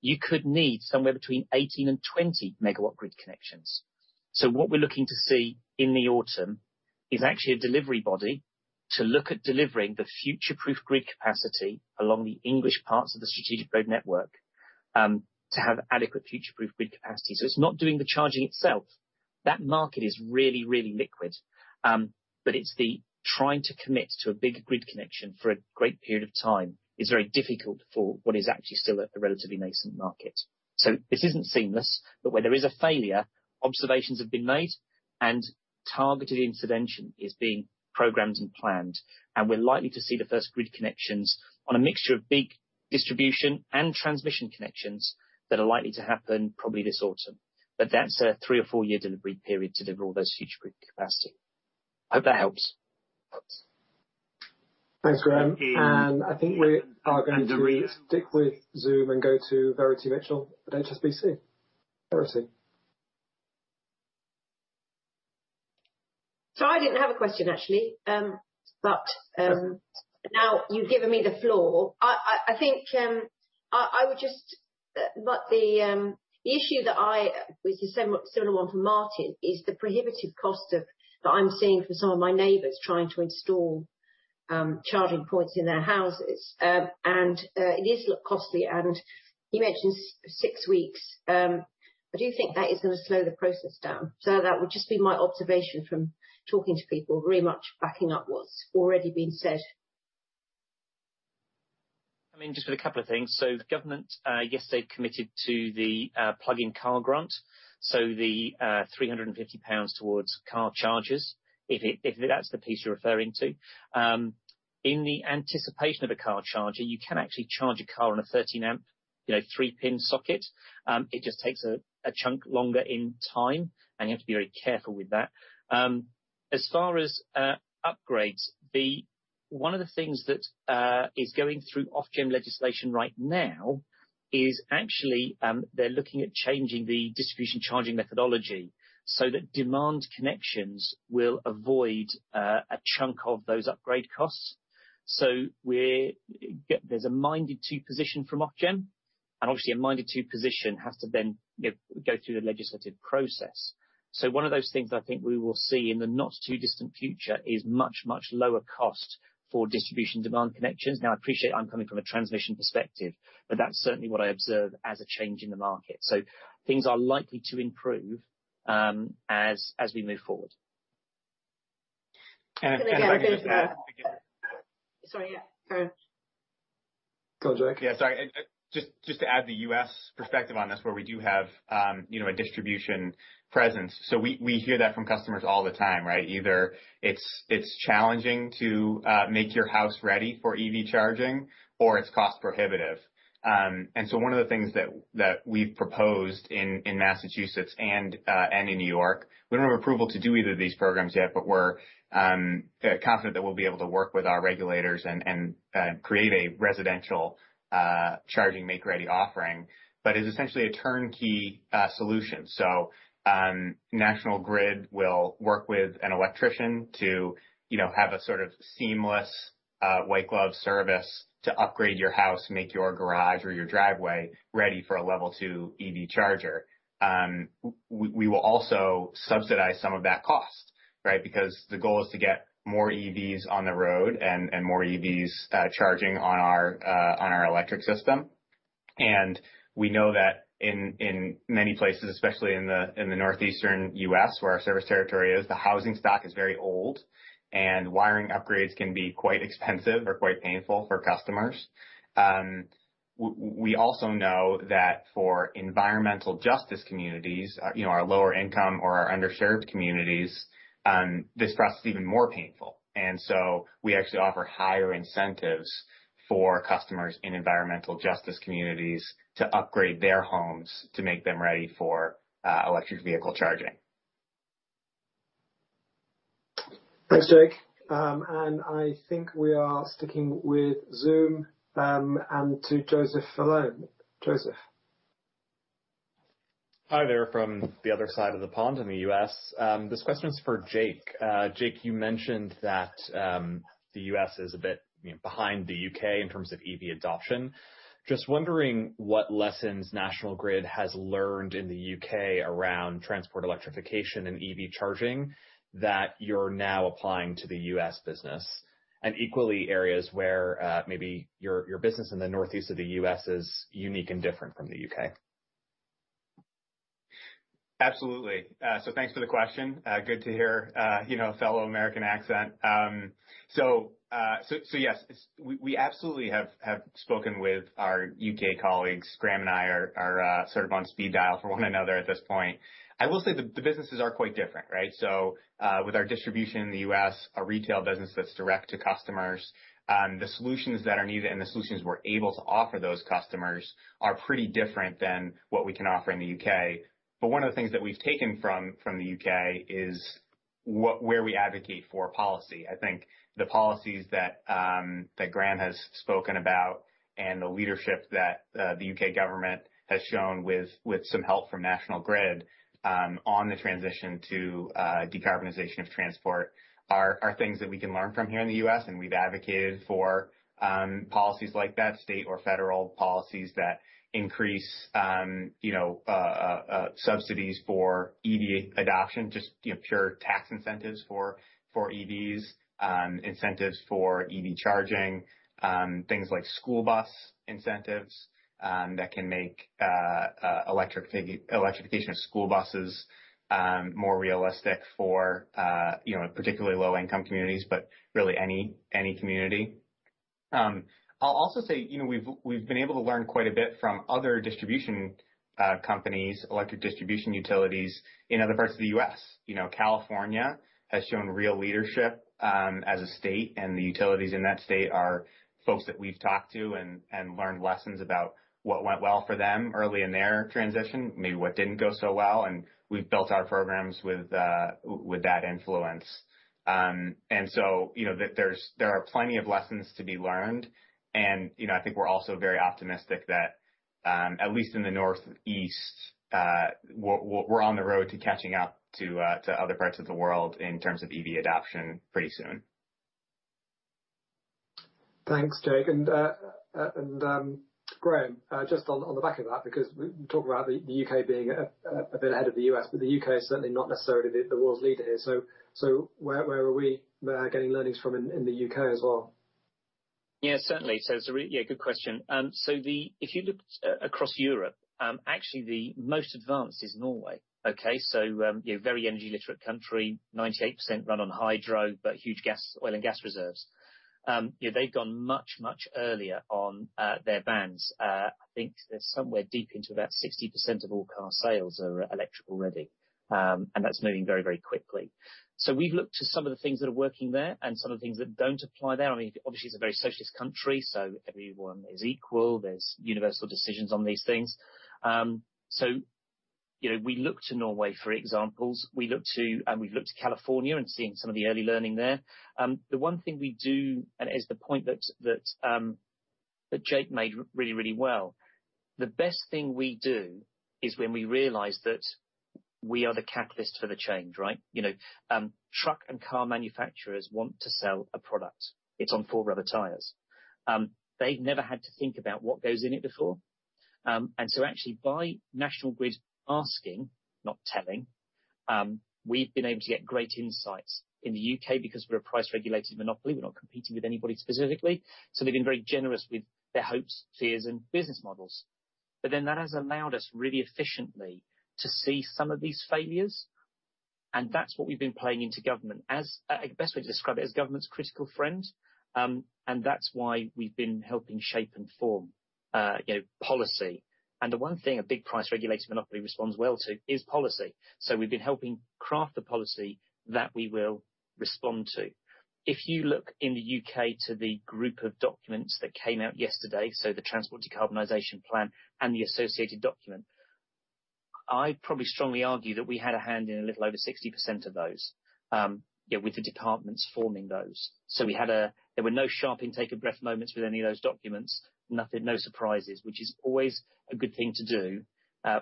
B: you could need somewhere between 18 and 20 M-W grid connections. What we're looking to see in the autumn is actually a delivery body to look at delivering the future-proof grid capacity along the English parts of the strategic road network to have adequate future-proof grid capacity. It is not doing the charging itself. That market is really, really liquid, but trying to commit to a big grid connection for a great period of time is very difficult for what is actually still a relatively nascent market. This is not seamless, but where there is a failure, observations have been made, and targeted intervention is being programmed and planned. We are likely to see the first grid connections on a mixture of big distribution and transmission connections that are likely to happen probably this autumn. That is a three or four-year delivery period to deliver all those future grid capacity. I hope that helps.
A: Thanks, Graeme. I think we are going to stick with Zoom and go to Verity Mitchell at HSBC. Verity.
D: I did not have a question, actually. But now you have given me the floor. I think I would just the issue that I was a similar one for Martin is the prohibitive cost that I'm seeing for some of my neighbors trying to install charging points in their houses. It is costly. You mentioned six weeks. I do think that is going to slow the process down. That would just be my observation from talking to people, very much backing up what's already been said.
B: I mean, just with a couple of things. Government yesterday committed to the plug-in car grant. The 350 pounds towards car chargers, if that's the piece you're referring to. In the anticipation of a car charger, you can actually charge a car on a 13-amp three-pin socket. It just takes a chunk longer in time, and you have to be very careful with that. As far as upgrades, one of the things that is going through Ofgem legislation right now is actually they're looking at changing the distribution charging methodology so that demand connections will avoid a chunk of those upgrade costs. There is a minded-to position from Ofgem. Obviously, a minded-to position has to then go through the legislative process. One of those things that I think we will see in the not-too-distant future is much, much lower cost for distribution demand connections. I appreciate I'm coming from a transmission perspective, but that's certainly what I observe as a change in the market. Things are likely to improve as we move forward.
D: Sorry, yeah, go ahead.
A: Go ahead, Jake.
C: Yeah, sorry. Just to add the U.S. perspective on this, where we do have a distribution presence. We hear that from customers all the time, right? Either it's challenging to make your house ready for EV charging, or it's cost-prohibitive. One of the things that we've proposed in Massachusetts and in New York, we don't have approval to do either of these programs yet, but we're confident that we'll be able to work with our regulators and create a residential charging make-ready offering. It's essentially a turnkey solution. National Grid will work with an electrician to have a sort of seamless white-glove service to upgrade your house, make your garage or your driveway ready for a level two EV charger. We will also subsidize some of that cost, right? The goal is to get more EVs on the road and more EVs charging on our electric system. We know that in many places, especially in the northeastern U.S., where our service territory is, the housing stock is very old, and wiring upgrades can be quite expensive or quite painful for customers. We also know that for environmental justice communities, our lower-income or our underserved communities, this process is even more painful. We actually offer higher incentives for customers in environmental justice communities to upgrade their homes to make them ready for electric vehicle charging.
A: Thanks, Jake. I think we are sticking with Zoom and to Joseph Fillon. Joseph. Hi there from the other side of the pond in the U.S. This question is for Jake. Jake, you mentioned that the U.S. is a bit behind the U.K. in terms of EV adoption. Just wondering what lessons National Grid has learned in the U.K. around transport electrification and EV charging that you're now applying to the U.S. business, and equally areas where maybe your business in the northeast of the U.S. is unique and different from the U.K.
C: Absolutely. Thanks for the question. Good to hear a fellow American accent. Yes, we absolutely have spoken with our U.K. colleagues. Graeme and I are sort of on speed dial for one another at this point. I will say the businesses are quite different, right? With our distribution in the U.S., our retail business that's direct to customers, the solutions that are needed and the solutions we're able to offer those customers are pretty different than what we can offer in the U.K. One of the things that we've taken from the U.K. is where we advocate for policy. I think the policies that Graeme has spoken about and the leadership that the U.K. government has shown with some help from National Grid on the transition to decarbonisation of transport are things that we can learn from here in the U.S. We have advocated for policies like that, state or federal policies that increase subsidies for EV adoption, just pure tax incentives for EVs, incentives for EV charging, things like school bus incentives that can make electrification of school buses more realistic for particularly low-income communities, but really any community. I'll also say we have been able to learn quite a bit from other distribution companies, electric distribution utilities in other parts of the U.S. California has shown real leadership as a state, and the utilities in that state are folks that we've talked to and learned lessons about what went well for them early in their transition, maybe what did not go so well. We have built our programs with that influence. There are plenty of lessons to be learned. I think we are also very optimistic that, at least in the U.S. Northeast, we are on the road to catching up to other parts of the world in terms of EV adoption pretty soon. Thanks, Jake. Graeme, just on the back of that, because we talk about the U.K. being a bit ahead of the U.S., the U.K. is certainly not necessarily the world's leader here. Where are we getting learnings from in the U.K. as well?
B: Yeah, certainly. It is a really good question. If you look across Europe, actually, the most advanced is Norway, okay? Very energy-literate country, 98% run on hydro, but huge oil and gas reserves. They've gone much, much earlier on their vans. I think they're somewhere deep into about 60% of all car sales are electrical-ready. That's moving very, very quickly. We've looked to some of the things that are working there and some of the things that do not apply there. I mean, obviously, it's a very socialist country, so everyone is equal. There's universal decisions on these things. We look to Norway, for example. We look to, and we've looked to California and seen some of the early learning there. The one thing we do, and it is the point that Jake made really, really well, the best thing we do is when we realize that we are the catalyst for the change, right? Truck and car manufacturers want to sell a product. It's on four rubber tires. They've never had to think about what goes in it before. Actually, by National Grid asking, not telling, we've been able to get great insights in the U.K. because we're a price-regulated monopoly. We're not competing with anybody specifically. They've been very generous with their hopes, fears, and business models. That has allowed us really efficiently to see some of these failures. That's what we've been playing into government, as a best way to describe it, as government's critical friend. That's why we've been helping shape and form policy. The one thing a big price-regulated monopoly responds well to is policy. We have been helping craft the policy that we will respond to. If you look in the U.K. to the group of documents that came out yesterday, the Transport Decarbonisation Plan and the associated document, I probably strongly argue that we had a hand in a little over 60% of those with the departments forming those. There were no sharp intake of breath moments with any of those documents, no surprises, which is always a good thing to do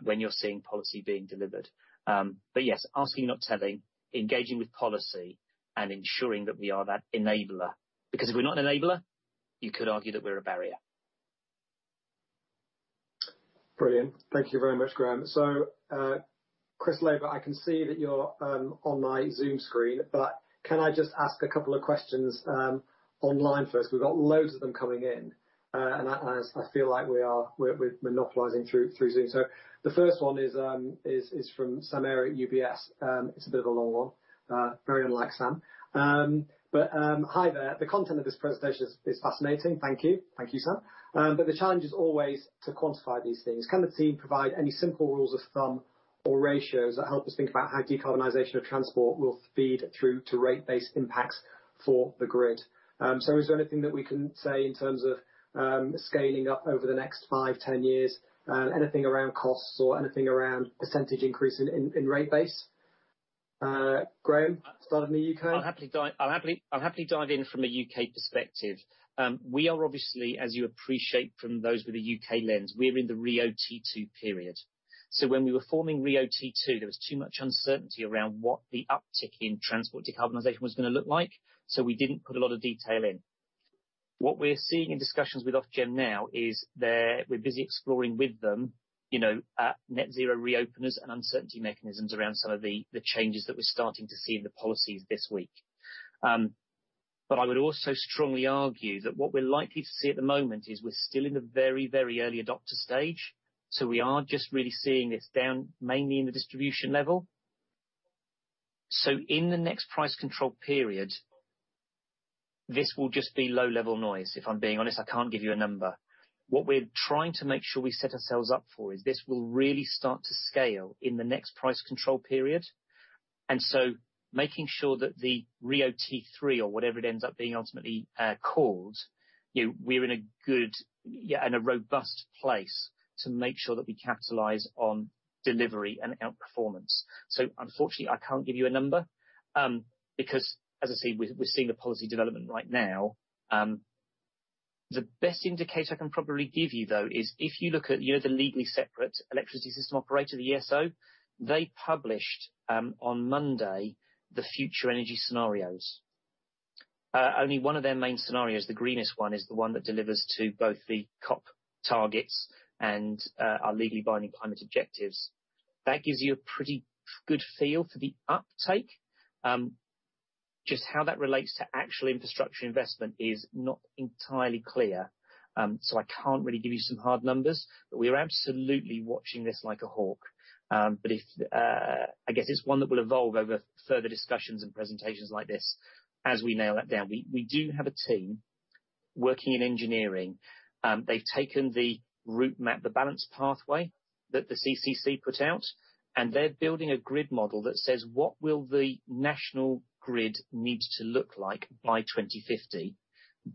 B: when you are seeing policy being delivered. Yes, asking, not telling, engaging with policy, and ensuring that we are that enabler. Because if we are not an enabler, you could argue that we are a barrier.
A: Brilliant. Thank you very much, Graeme. Chris Abbott, I can see that you're on my Zoom screen, but can I just ask a couple of questions online first? We've got loads of them coming in. I feel like we're monopolizing through Zoom. The first one is from Sam Erik, UBS. It's a bit of a long one, very unlike Sam. Hi there. The content of this presentation is fascinating. Thank you. Thank you, Sam. The challenge is always to quantify these things. Can the team provide any simple rules of thumb or ratios that help us think about how decarbonization of transport will feed through to rate-based impacts for the grid? Is there anything that we can say in terms of scaling up over the next 5, 10 years, anything around costs, or anything around percentage increase in rate base? Graeme, starting in the U.K.
B: I'll happily dive in from a U.K. perspective. We are obviously, as you appreciate from those with a U.K. lens, we're in the RIIO-T2 period. When we were forming RIIO-T2, there was too much uncertainty around what the uptick in transport decarbonisation was going to look like. We didn't put a lot of detail in. What we're seeing in discussions with Ofgem now is we're busy exploring with them net zero reopeners and uncertainty mechanisms around some of the changes that we're starting to see in the policies this week. I would also strongly argue that what we're likely to see at the moment is we're still in the very, very early adopter stage. We are just really seeing this down mainly in the distribution level. In the next price control period, this will just be low-level noise. If I'm being honest, I can't give you a number. What we're trying to make sure we set ourselves up for is this will really start to scale in the next price control period. Making sure that the RIIO-T3, or whatever it ends up being ultimately called, we're in a good and a robust place to make sure that we capitalize on delivery and outperformance. Unfortunately, I can't give you a number because, as I say, we're seeing the policy development right now. The best indicator I can probably give you, though, is if you look at the legally separate electricity system operator, the ESO, they published on Monday the future energy scenarios. Only one of their main scenarios, the greenest one, is the one that delivers to both the COP targets and our legally binding climate objectives. That gives you a pretty good feel for the uptake. Just how that relates to actual infrastructure investment is not entirely clear. I can't really give you some hard numbers, but we are absolutely watching this like a hawk. I guess it's one that will evolve over further discussions and presentations like this as we nail that down. We do have a team working in engineering. They've taken the route map, the balanced pathway that the CCC put out, and they're building a grid model that says, what will the National Grid need to look like by 2050,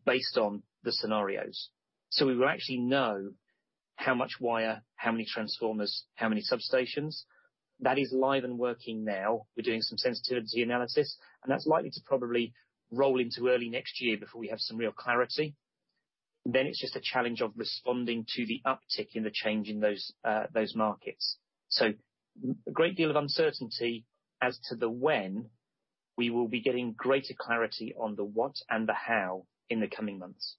B: based on the scenarios? We will actually know how much wire, how many transformers, how many substations. That is live and working now. We're doing some sensitivity analysis, and that's likely to probably roll into early next year before we have some real clarity. It is just a challenge of responding to the uptick in the change in those markets. A great deal of uncertainty as to when we will be getting greater clarity on the what and the how in the coming months.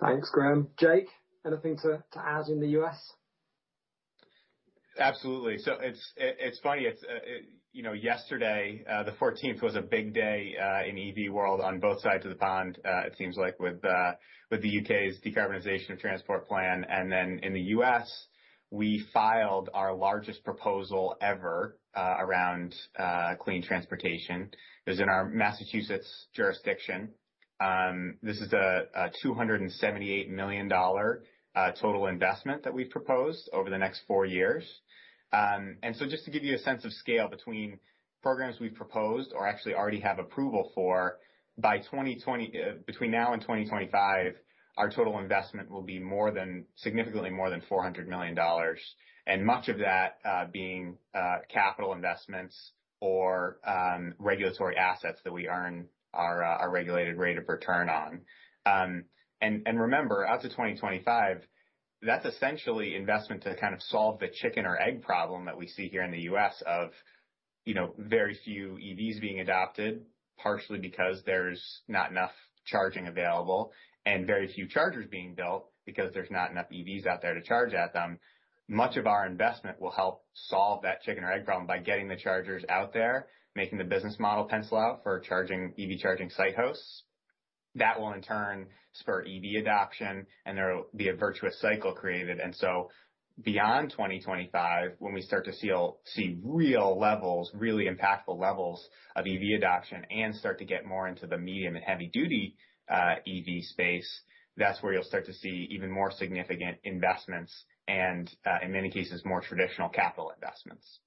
A: Thanks, Graeme. Jake, anything to add in the U.S.?
C: Absolutely. It is funny. Yesterday, the 14th was a big day in EV world on both sides of the pond, it seems like, with the U.K.'s decarbonisation of transport plan. In the U.S., we filed our largest proposal ever around clean transportation. It was in our Massachusetts jurisdiction. This is a $278 million total investment that we have proposed over the next four years. Just to give you a sense of scale between programs we have proposed or actually already have approval for, between now and 2025, our total investment will be significantly more than $400 million, and much of that being capital investments or regulatory assets that we earn our regulated rate of return on. Remember, out to 2025, that is essentially investment to kind of solve the chicken or egg problem that we see here in the U.S., of very few EVs being adopted, partially because there is not enough charging available, and very few chargers being built because there are not enough EVs out there to charge at them. Much of our investment will help solve that chicken-or-egg problem by getting the chargers out there, making the business model pencil out for EV charging site hosts. That will, in turn, spur EV adoption, and there will be a virtuous cycle created. Beyond 2025, when we start to see real levels, really impactful levels of EV adoption, and start to get more into the medium and heavy-duty EV space, that is where you will start to see even more significant investments and, in many cases, more traditional capital investments.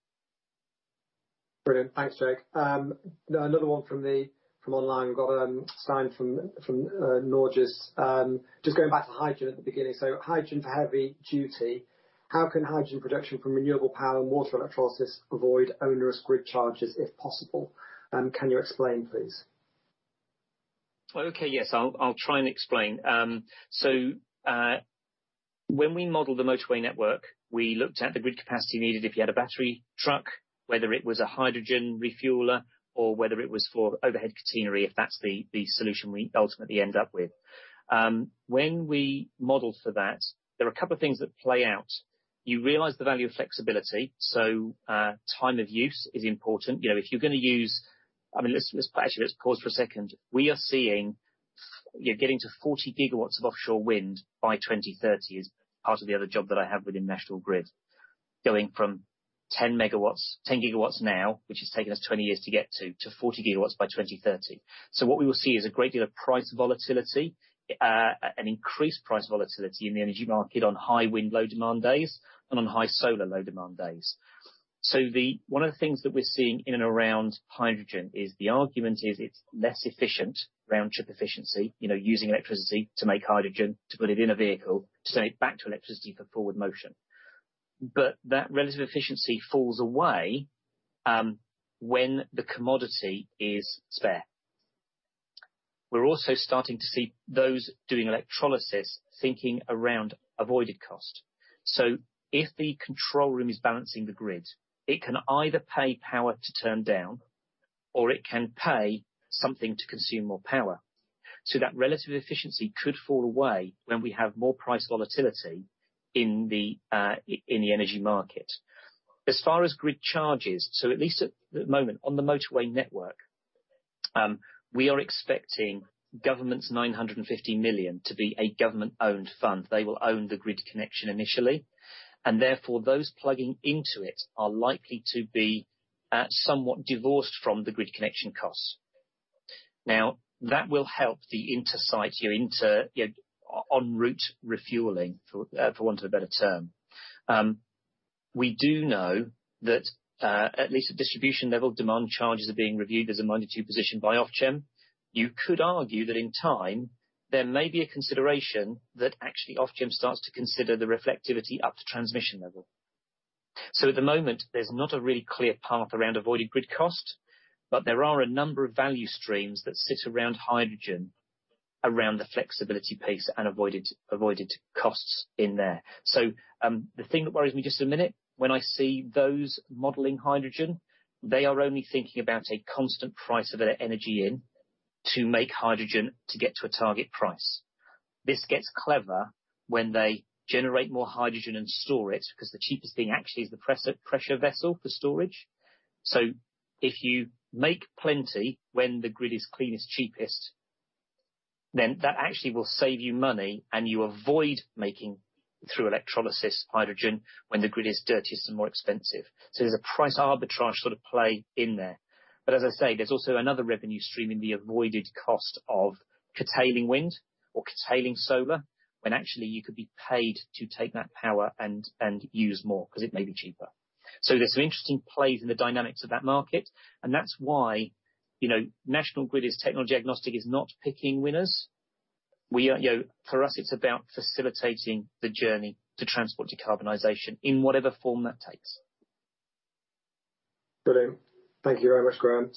A: Brilliant. Thanks, Jake. Another one from online. We have a sign from Norges. Just going back to hydrogen at the beginning. Hydrogen for heavy-duty. How can hydrogen production from renewable power and water electrolysis avoid onerous grid charges if possible? Can you explain, please?
B: Okay. Yes, I will try and explain. When we modeled the motorway network, we looked at the grid capacity needed if you had a battery truck, whether it was a hydrogen refueler, or whether it was for overhead catenary, if that is the solution we ultimately end up with. When we modeled for that, there are a couple of things that play out. You realize the value of flexibility. Time of use is important. If you are going to use—I mean, actually, let's pause for a second. We are seeing getting to 40 GW of offshore wind by 2030 is part of the other job that I have within National Grid, going from 10 GW now, which has taken us 20 years to get to, to 40 GW by 2030. What we will see is a great deal of price volatility, an increased price volatility in the energy market on high wind, low demand days, and on high solar, low demand days. One of the things that we're seeing in and around hydrogen is the argument is it's less efficient around chip efficiency, using electricity to make hydrogen, to put it in a vehicle, to turn it back to electricity for forward motion. That relative efficiency falls away when the commodity is spare. We're also starting to see those doing electrolysis thinking around avoided cost. If the control room is balancing the grid, it can either pay power to turn down, or it can pay something to consume more power. That relative efficiency could fall away when we have more price volatility in the energy market. As far as grid charges, at least at the moment on the motorway network, we are expecting government's 950 million to be a government-owned fund. They will own the grid connection initially. Therefore, those plugging into it are likely to be somewhat divorced from the grid connection costs. That will help the inter-site, your en route refueling, for want of a better term. We do know that at least at distribution level, demand charges are being reviewed. There is a minded-to position by Ofgem. You could argue that in time, there may be a consideration that actually Ofgem starts to consider the reflectivity up to transmission level. At the moment, there is not a really clear path around avoided grid cost, but there are a number of value streams that sit around hydrogen, around the flexibility piece and avoided costs in there. The thing that worries me just a minute, when I see those modeling hydrogen, they are only thinking about a constant price of their energy in to make hydrogen to get to a target price. This gets clever when they generate more hydrogen and store it because the cheapest thing actually is the pressure vessel for storage. If you make plenty when the grid is cleanest, cheapest, then that actually will save you money, and you avoid making through electrolysis hydrogen when the grid is dirtiest and more expensive. There is a price arbitrage sort of play in there. As I say, there is also another revenue stream in the avoided cost of curtailing wind or curtailing solar when actually you could be paid to take that power and use more because it may be cheaper. There are some interesting plays in the dynamics of that market. That is why National Grid is technology agnostic, is not picking winners. For us, it is about facilitating the journey to transport decarbonisation in whatever form that takes.
A: Brilliant. Thank you very much, Graeme.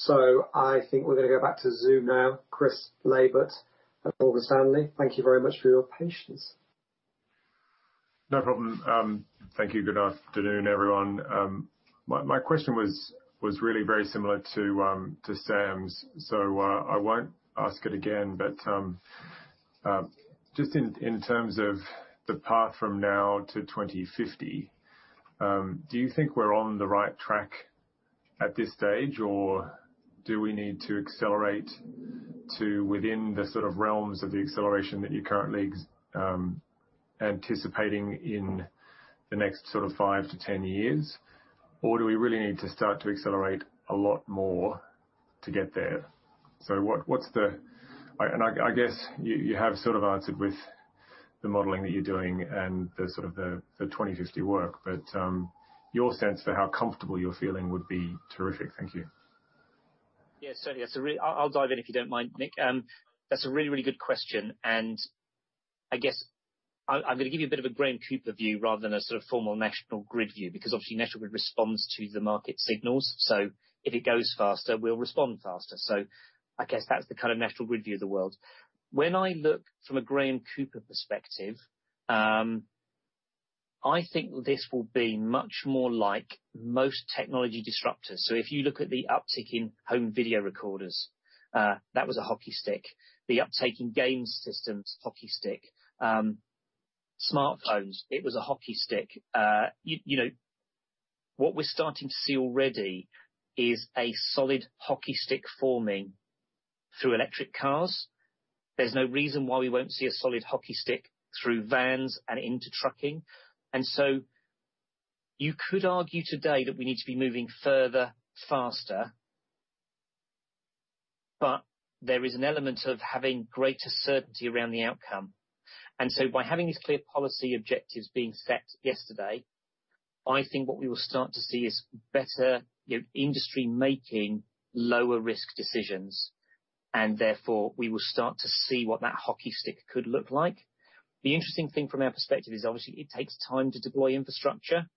A: I think we are going to go back to Zoom now. Chris Abbott, Morgan Stanley, thank you very much for your patience.
E: No problem. Thank you. Good afternoon, everyone. My question was really very similar to Sam's. I will not ask it again, but just in terms of the path from now to 2050, do you think we are on the right track at this stage, or do we need to accelerate to within the sort of realms of the acceleration that you are currently anticipating in the next 5-10 years, or do we really need to start to accelerate a lot more to get there? What's the—and I guess you have sort of answered with the modeling that you're doing and the sort of the 2050 work, but your sense for how comfortable you're feeling would be terrific.
B: Thank you. Yeah, certainly. I'll dive in if you don't mind, Nick. That's a really, really good question. I guess I'm going to give you a bit of a Graeme Cooper view rather than a sort of formal National Grid view because obviously National Grid responds to the market signals. If it goes faster, we'll respond faster. I guess that's the kind of National Grid view of the world. When I look from a Graeme Cooper perspective, I think this will be much more like most technology disruptors. If you look at the uptick in home video recorders, that was a hockey stick. The uptick in game systems, hockey stick. Smartphones, it was a hockey stick. What we're starting to see already is a solid hockey stick forming through electric cars. There's no reason why we won't see a solid hockey stick through vans and into trucking. You could argue today that we need to be moving further, faster, but there is an element of having greater certainty around the outcome. By having these clear policy objectives being set yesterday, I think what we will start to see is better industry-making, lower-risk decisions. Therefore, we will start to see what that hockey stick could look like. The interesting thing from our perspective is obviously it takes time to deploy infrastructure.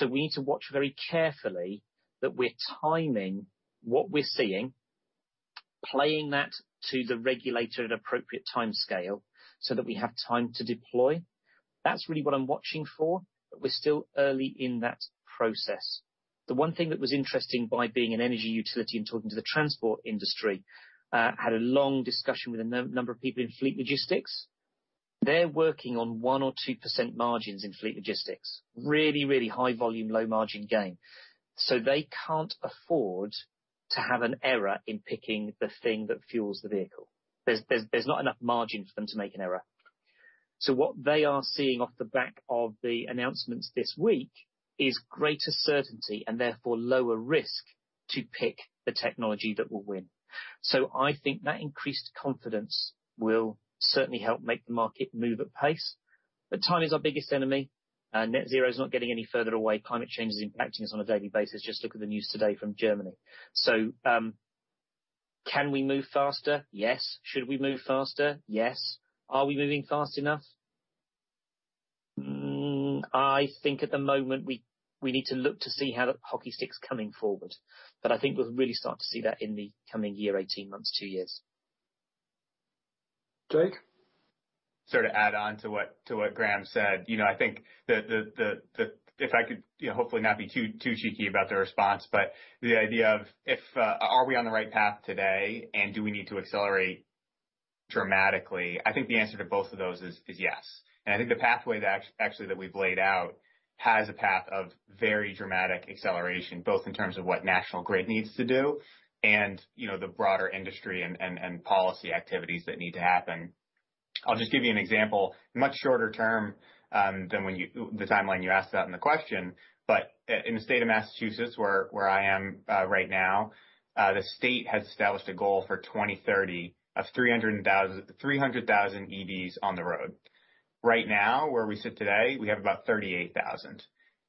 B: We need to watch very carefully that we're timing what we're seeing, playing that to the regulator at an appropriate time scale so that we have time to deploy. That's really what I'm watching for, but we're still early in that process. The one thing that was interesting by being an energy utility and talking to the transport industry, I had a long discussion with a number of people in fleet logistics. They're working on 1% or 2% margins in fleet logistics. Really, really high volume, low margin gain. They can't afford to have an error in picking the thing that fuels the vehicle. There's not enough margin for them to make an error. What they are seeing off the back of the announcements this week is greater certainty and therefore lower risk to pick the technology that will win. I think that increased confidence will certainly help make the market move at pace. Time is our biggest enemy. Net zero is not getting any further away. Climate change is impacting us on a daily basis. Just look at the news today from Germany. Can we move faster? Yes. Should we move faster? Yes. Are we moving fast enough? I think at the moment we need to look to see how the hockey stick's coming forward. I think we'll really start to see that in the coming year, 18 months, two years.
A: Jake,
C: to sort of add on to what Graeme said, I think that if I could hopefully not be too cheeky about the response, the idea of are we on the right path today and do we need to accelerate dramatically, I think the answer to both of those is yes. I think the pathway that actually that we've laid out has a path of very dramatic acceleration, both in terms of what National Grid needs to do and the broader industry and policy activities that need to happen. I'll just give you an example. Much shorter term than the timeline you asked about in the question, but in the state of Massachusetts, where I am right now, the state has established a goal for 2030 of 300,000 EVs on the road. Right now, where we sit today, we have about 38,000.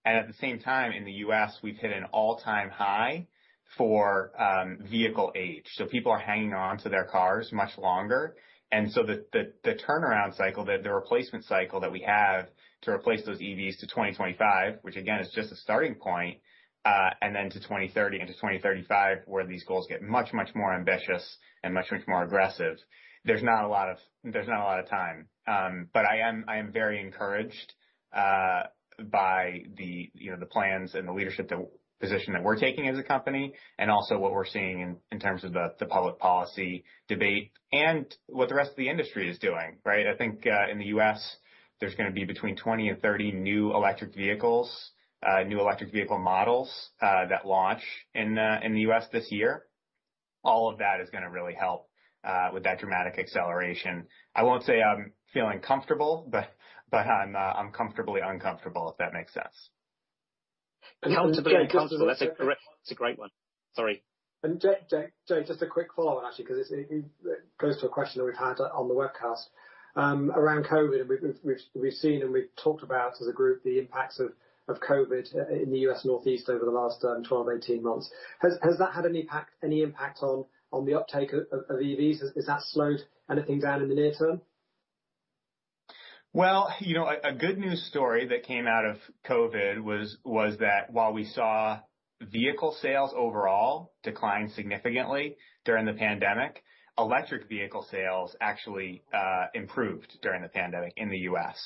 C: At the same time, in the U.S., we've hit an all-time high for vehicle age. People are hanging on to their cars much longer. The turnaround cycle, the replacement cycle that we have to replace those EVs to 2025, which again is just a starting point, and then to 2030 and to 2035, where these goals get much, much more ambitious and much, much more aggressive, there's not a lot of time. I am very encouraged by the plans and the leadership position that we're taking as a company, and also what we're seeing in terms of the public policy debate and what the rest of the industry is doing, right? I think in the U.S., there's going to be between 20 and 30 new electric vehicles, new electric vehicle models that launch in the U.S. this year. All of that is going to really help with that dramatic acceleration. I won't say I'm feeling comfortable, but I'm comfortably uncomfortable, if that makes sense.
A: Uncomfortably uncomfortable.
C: That's a great one. Sorry.
A: Jake, just a quick follow-on, actually, because it goes to a question that we've had on the webcast around COVID. We've seen and we've talked about as a group the impacts of COVID in the U.S. Northeast over the last 12-18 months. Has that had any impact on the uptake of EVs? Has that slowed anything down in the near term?
C: A good news story that came out of COVID was that while we saw vehicle sales overall decline significantly during the pandemic, electric vehicle sales actually improved during the pandemic in the U.S.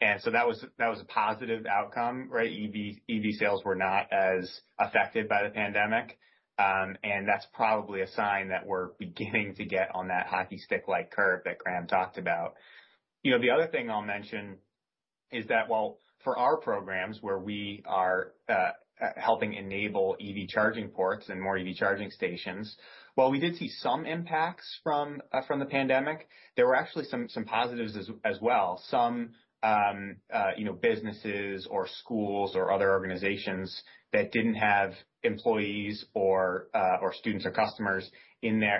C: That was a positive outcome, right? EV sales were not as affected by the pandemic. That's probably a sign that we're beginning to get on that hockey stick-like curve that Graeme talked about. The other thing I'll mention is that while for our programs where we are helping enable EV charging ports and more EV charging stations, while we did see some impacts from the pandemic, there were actually some positives as well. Some businesses or schools, or other organizations that did not have employees or students or customers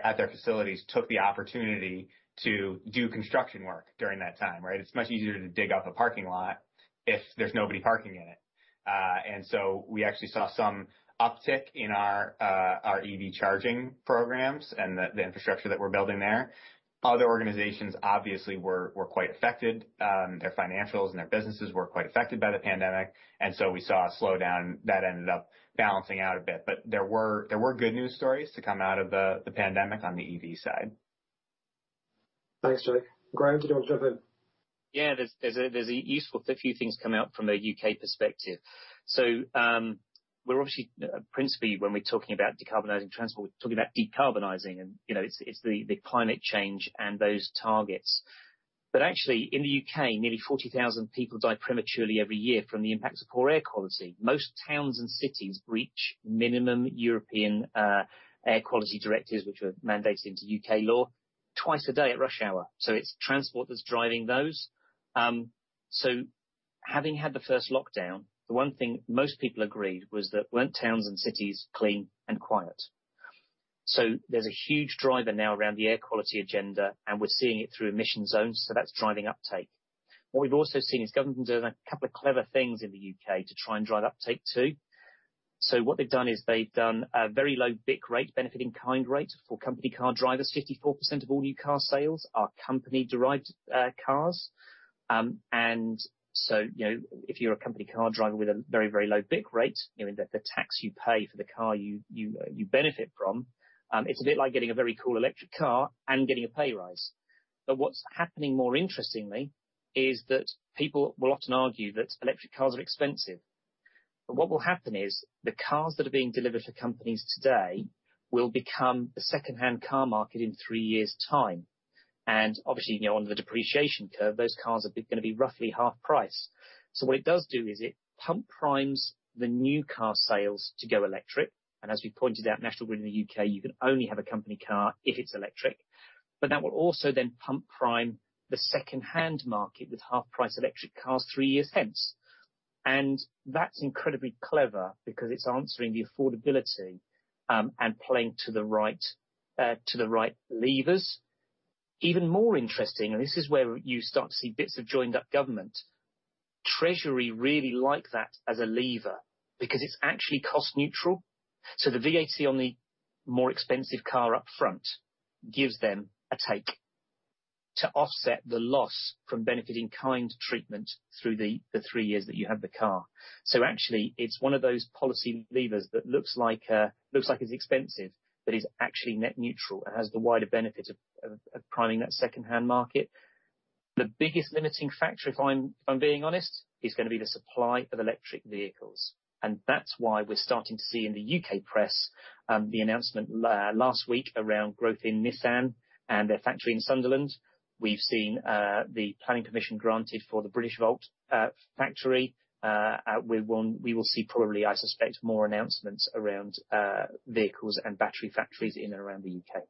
C: at their facilities took the opportunity to do construction work during that time, right? It is much easier to dig up a parking lot if there is nobody parking in it. We actually saw some uptick in our EV charging programs and the infrastructure that we are building there. Other organizations obviously were quite affected. Their financials and their businesses were quite affected by the pandemic. We saw a slowdown that ended up balancing out a bit. There were good news stories to come out of the pandemic on the EV side.
A: Thanks, Jake. Graeme, did you want to jump in?
B: Yeah, there's a useful few things come out from a U.K. perspective. We're obviously, principally, when we're talking about decarbonising transport, we're talking about decarbonising, and it's the climate change and those targets. Actually, in the U.K., nearly 40,000 people die prematurely every year from the impacts of poor air quality. Most towns and cities breach minimum European air quality directives, which were mandated into U.K. law, twice a day at rush hour. It's transport that's driving those. Having had the first lockdown, the one thing most people agreed was that weren't towns and cities clean and quiet. There's a huge driver now around the air quality agenda, and we're seeing it through emission zones. That's driving uptake. What we've also seen is governments have done a couple of clever things in the U.K. to try and drive uptake too. What they've done is they've done a very low BIK rate, benefit in kind rate for company car drivers. 54% of all new car sales are company-derived cars. If you're a company car driver with a very, very low BIK rate, the tax you pay for the car you benefit from, it's a bit like getting a very cool electric car and getting a pay rise. What's happening more interestingly is that people will often argue that electric cars are expensive. What will happen is the cars that are being delivered for companies today will become the second-hand car market in three years' time. Obviously, on the depreciation curve, those cars are going to be roughly half price. What it does do is it pump primes the new car sales to go electric. As we pointed out, National Grid in the U.K., you can only have a company car if it's electric. That will also then pump prime the second-hand market with half-price electric cars three years hence. That's incredibly clever because it's answering the affordability and playing to the right levers. Even more interesting, and this is where you start to see bits of joined-up government, Treasury really like that as a lever because it's actually cost-neutral. The VAT on the more expensive car upfront gives them a take to offset the loss from benefit in kind treatment through the three years that you have the car. Actually, it's one of those policy levers that looks like it's expensive, but it's actually net neutral and has the wider benefit of priming that second-hand market. The biggest limiting factor, if I'm being honest, is going to be the supply of electric vehicles. That's why we're starting to see in the U.K. press the announcement last week around growth in Nissan and their factory in Sunderland. We've seen the planning permission granted for the Britishvolt factory. We will see probably, I suspect, more announcements around vehicles and battery factories in and around the U.K.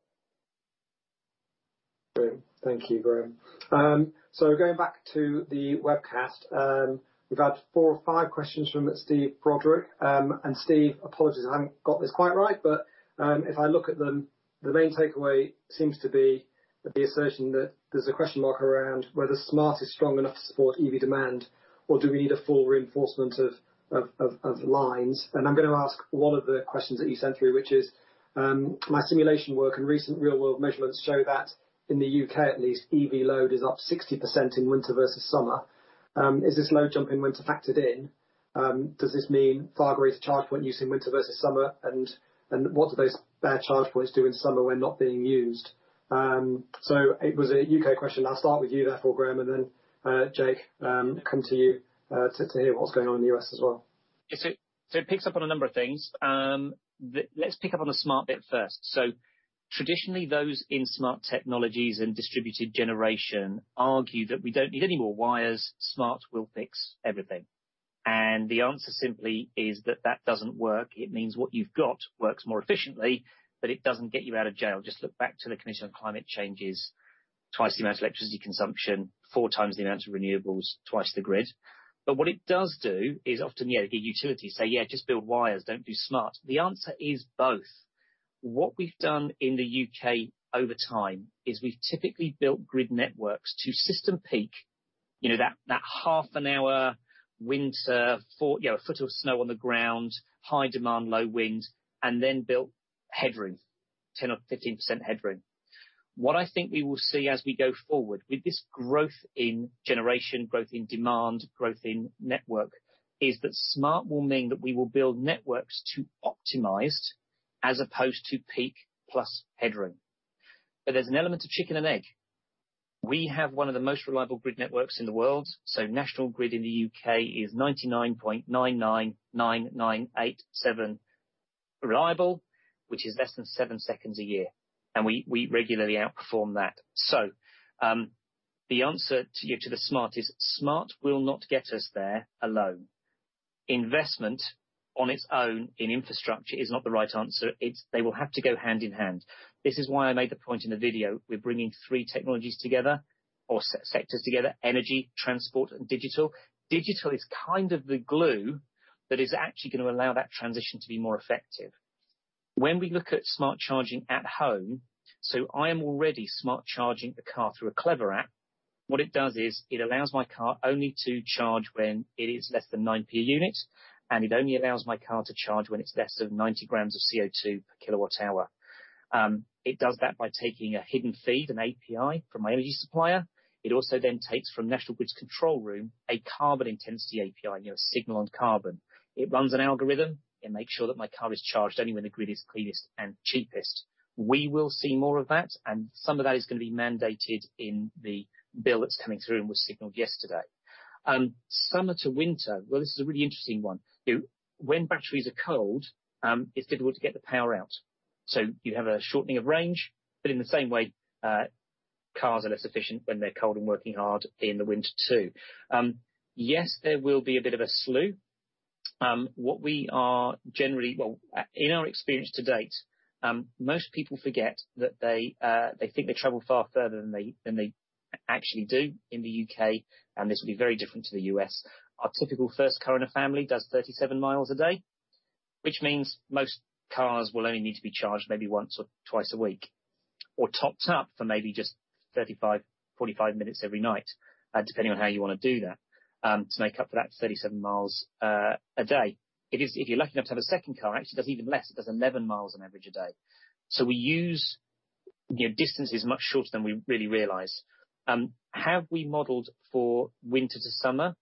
A: Great. Thank you, Graeme. Going back to the webcast, we've had four or five questions from Steve Broderick. Steve, apologies, I haven't got this quite right, but if I look at them, the main takeaway seems to be the assertion that there's a question mark around whether smart is strong enough to support EV demand, or do we need a full reinforcement of lines? I'm going to ask one of the questions that you sent through, which is, my simulation work and recent real-world measurements show that in the U.K., at least, EV load is up 60% in winter versus summer. Is this load jump in winter factored in? Does this mean far greater charge point use in winter versus summer? What do those bare charge points do in summer when not being used? It was a U.K. question. I'll start with you, therefore, Graeme, and then Jake, come to you to hear what's going on in the U.S. as well.
B: It picks up on a number of things. Let's pick up on the smart bit first. Traditionally, those in smart technologies and distributed generation argue that we do not need any more wires. Smart will fix everything. The answer simply is that that does not work. It means what you have got works more efficiently, but it does not get you out of jail. Just look back to the Commission on Climate Changes. Twice the amount of electricity consumption, four times the amount of renewables, twice the grid. What it does do is often, yeah, the utilities say, yeah, just build wires. Do not do smart. The answer is both. What we have done in the U.K. over time is we have typically built grid networks to system peak, that half an hour winter, a foot of snow on the ground, high demand, low wind, and then built headroom, 10% or 15% headroom. What I think we will see as we go forward with this growth in generation, growth in demand, growth in network, is that smart will mean that we will build networks to optimized as opposed to peak plus headroom. There is an element of chicken and egg. We have one of the most reliable grid networks in the world. National Grid in the U.K. is 99.999987% reliable, which is less than seven seconds a year. We regularly outperform that. The answer to the smart is smart will not get us there alone. Investment on its own in infrastructure is not the right answer. They will have to go hand in hand. This is why I made the point in the video. We are bringing three technologies together or sectors together, energy, transport, and digital. Digital is kind of the glue that is actually going to allow that transition to be more effective. When we look at smart charging at home, I am already smart charging the car through a Clever app. What it does is it allows my car only to charge when it is less than 0.09 units, and it only allows my car to charge when it is less than 90 grams of CO2 per K-W hour. It does that by taking a hidden feed, an API, from my energy supplier. It also then takes from National Grid's control room a carbon intensity API, a signal on carbon. It runs an algorithm. It makes sure that my car is charged only when the grid is cleanest and cheapest. We will see more of that, and some of that is going to be mandated in the bill that's coming through and was signaled yesterday. Summer to winter, this is a really interesting one. When batteries are cold, it's difficult to get the power out. So you have a shortening of range, but in the same way, cars are less efficient when they're cold and working hard in the winter, too. Yes, there will be a bit of a slew. What we are generally, in our experience to date, most people forget that they think they travel far further than they actually do in the U.K., and this will be very different to the U.S. Our typical first car in a family does 37 mi a day, which means most cars will only need to be charged maybe once or twice a week or topped up for maybe just 35-45 minutes every night, depending on how you want to do that, to make up for that 37 mi a day. If you're lucky enough to have a second car, actually, it does even less. It does 11 mi on average a day. We use distances much shorter than we really realize. Have we modeled for winter to summer?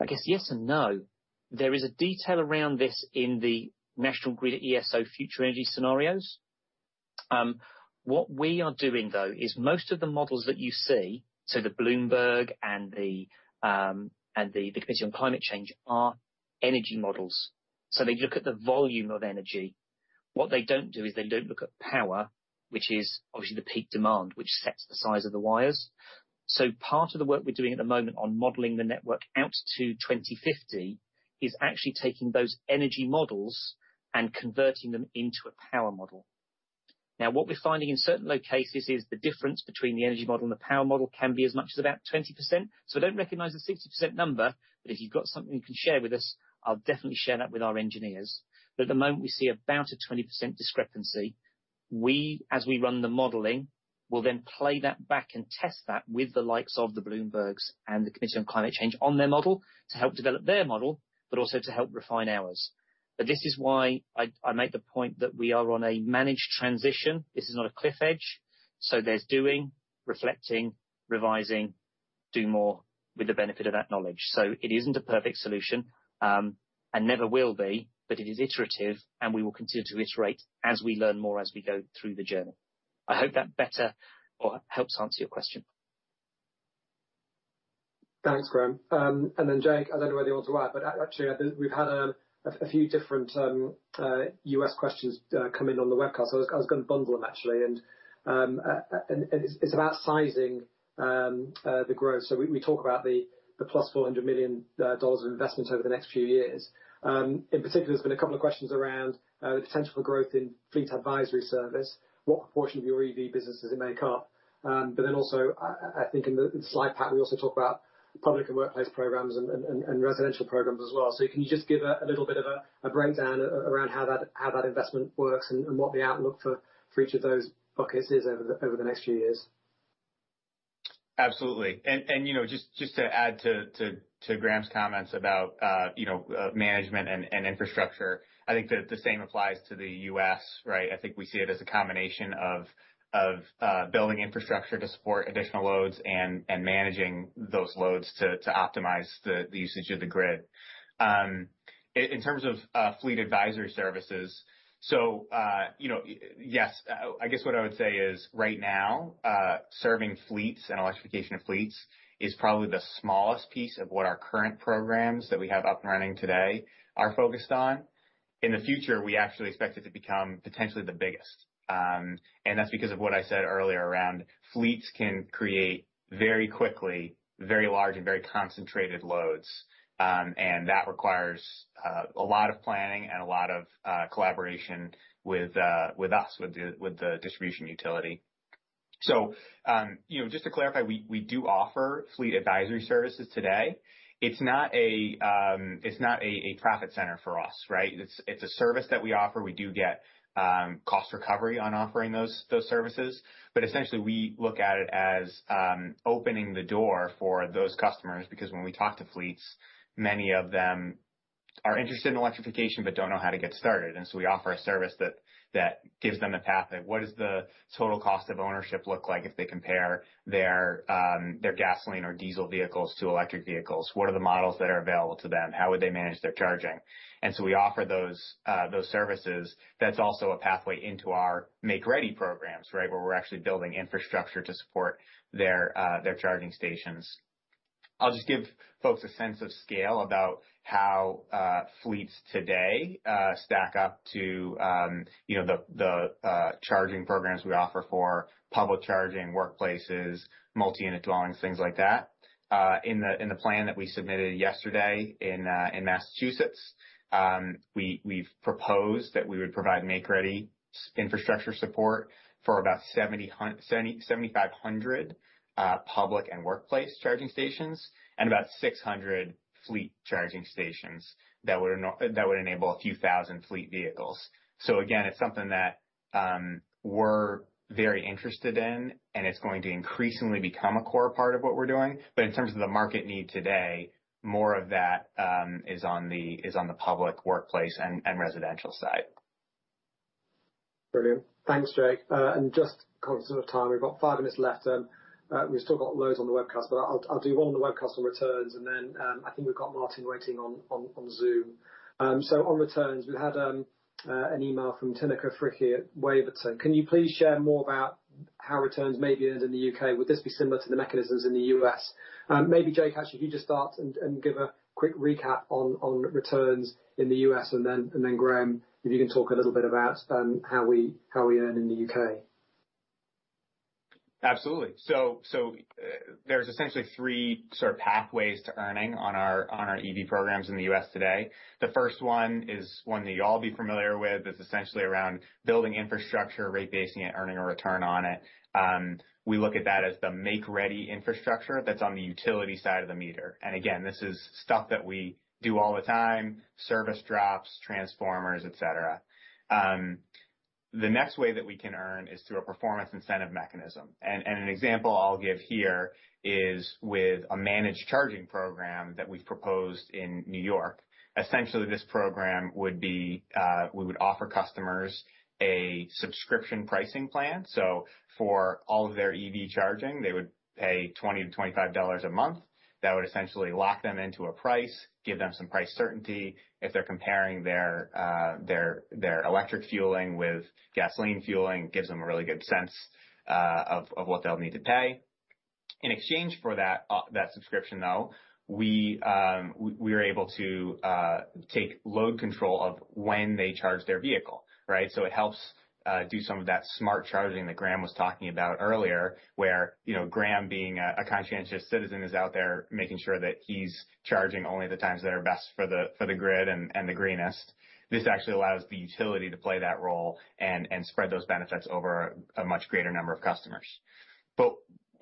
B: I guess yes and no. There is a detail around this in the National Grid ESO Future Energy Scenarios. What we are doing, though, is most of the models that you see, so the Bloomberg and the Commission on Climate Change are energy models. They look at the volume of energy. What they do not do is they do not look at power, which is obviously the peak demand, which sets the size of the wires. Part of the work we are doing at the moment on modeling the network out to 2050 is actually taking those energy models and converting them into a power model. Now, what we are finding in certain cases is the difference between the energy model and the power model can be as much as about 20%. I do not recognize the 60% number, but if you have got something you can share with us, I will definitely share that with our engineers. At the moment, we see about a 20% discrepancy. We, as we run the modeling, will then play that back and test that with the likes of the Bloombergs and the Commission on Climate Change on their model to help develop their model, but also to help refine ours. This is why I make the point that we are on a managed transition. This is not a cliff edge. There is doing, reflecting, revising, do more with the benefit of that knowledge. It is not a perfect solution and never will be, but it is iterative, and we will continue to iterate as we learn more as we go through the journey. I hope that better or helps answer your question.
A: Thanks, Graeme. Jake, I do not know where the odds are, but actually, we have had a few different US questions come in on the webcast. I was going to bundle them, actually. It is about sizing the growth. We talk about the plus $400 million of investment over the next few years. In particular, there have been a couple of questions around the potential for growth in fleet advisory service, what proportion of your EV business it may cut. I think in the slide pack, we also talk about public and workplace programs and residential programs as well. Can you just give a little bit of a breakdown around how that investment works and what the outlook for each of those buckets is over the next few years?
C: Absolutely. Just to add to Graeme's comments about management and infrastructure, I think that the same applies to the U.S., right? We see it as a combination of building infrastructure to support additional loads and managing those loads to optimize the usage of the grid. In terms of fleet advisory services, yes, I guess what I would say is right now, serving fleets and electrification of fleets is probably the smallest piece of what our current programs that we have up and running today are focused on. In the future, we actually expect it to become potentially the biggest. That is because of what I said earlier, around fleets can create very quickly, very large, and very concentrated loads. That requires a lot of planning and a lot of collaboration with us, with the distribution utility. Just to clarify, we do offer fleet advisory services today. It is not a profit center for us, right? It is a service that we offer. We do get cost recovery on offering those services. Essentially, we look at it as opening the door for those customers because when we talk to fleets, many of them are interested in electrification but do not know how to get started. We offer a service that gives them a pathway. What does the total cost of ownership look like if they compare their gasoline or diesel vehicles to electric vehicles? What are the models that are available to them? How would they manage their charging? We offer those services. That is also a pathway into our make-ready programs, right, where we are actually building infrastructure to support their charging stations. I will just give folks a sense of scale about how fleets today stack up to the charging programs we offer for public charging, workplaces, multi-unit dwellings, things like that. In the plan that we submitted yesterday in Massachusetts, we've proposed that we would provide make-ready infrastructure support for about 7,500 public and workplace charging stations and about 600 fleet charging stations that would enable a few thousand fleet vehicles. Again, it's something that we're very interested in, and it's going to increasingly become a core part of what we're doing. In terms of the market need today, more of that is on the public workplace and residential side.
A: Brilliant. Thanks, Jake. Just sort of time, we've got five minutes left. We've still got loads on the webcast, but I'll do one on the webcast on returns, and then I think we've got Martin waiting on Zoom. On returns, we had an email from [Tinica Fricke at Waverton]. Can you please share more about how returns may be earned in the U.K.? Would this be similar to the mechanisms in the U.S.? Maybe, Jake, actually, if you just start and give a quick recap on returns in the U.S., and then Graeme, if you can talk a little bit about how we earn in the U.K.
C: Absolutely. There are essentially three sort of pathways to earning on our EV programs in the U.S. today. The first one is one that you'll all be familiar with. It is essentially around building infrastructure, rate-basing it, earning a return on it. We look at that as the make-ready infrastructure that is on the utility side of the meter. Again, this is stuff that we do all the time, service drops, transformers, etc. The next way that we can earn is through a performance incentive mechanism. An example I'll give here is with a managed charging program that we've proposed in New York. Essentially, this program would be we would offer customers a subscription pricing plan. For all of their EV charging, they would pay $20-$25 a month. That would essentially lock them into a price, give them some price certainty. If they're comparing their electric fueling with gasoline fueling, it gives them a really good sense of what they'll need to pay. In exchange for that subscription, though, we are able to take load control of when they charge their vehicle, right? It helps do some of that smart charging that Graeme was talking about earlier, where Graeme, being a conscientious citizen, is out there making sure that he's charging only the times that are best for the grid and the greenest. This actually allows the utility to play that role and spread those benefits over a much greater number of customers.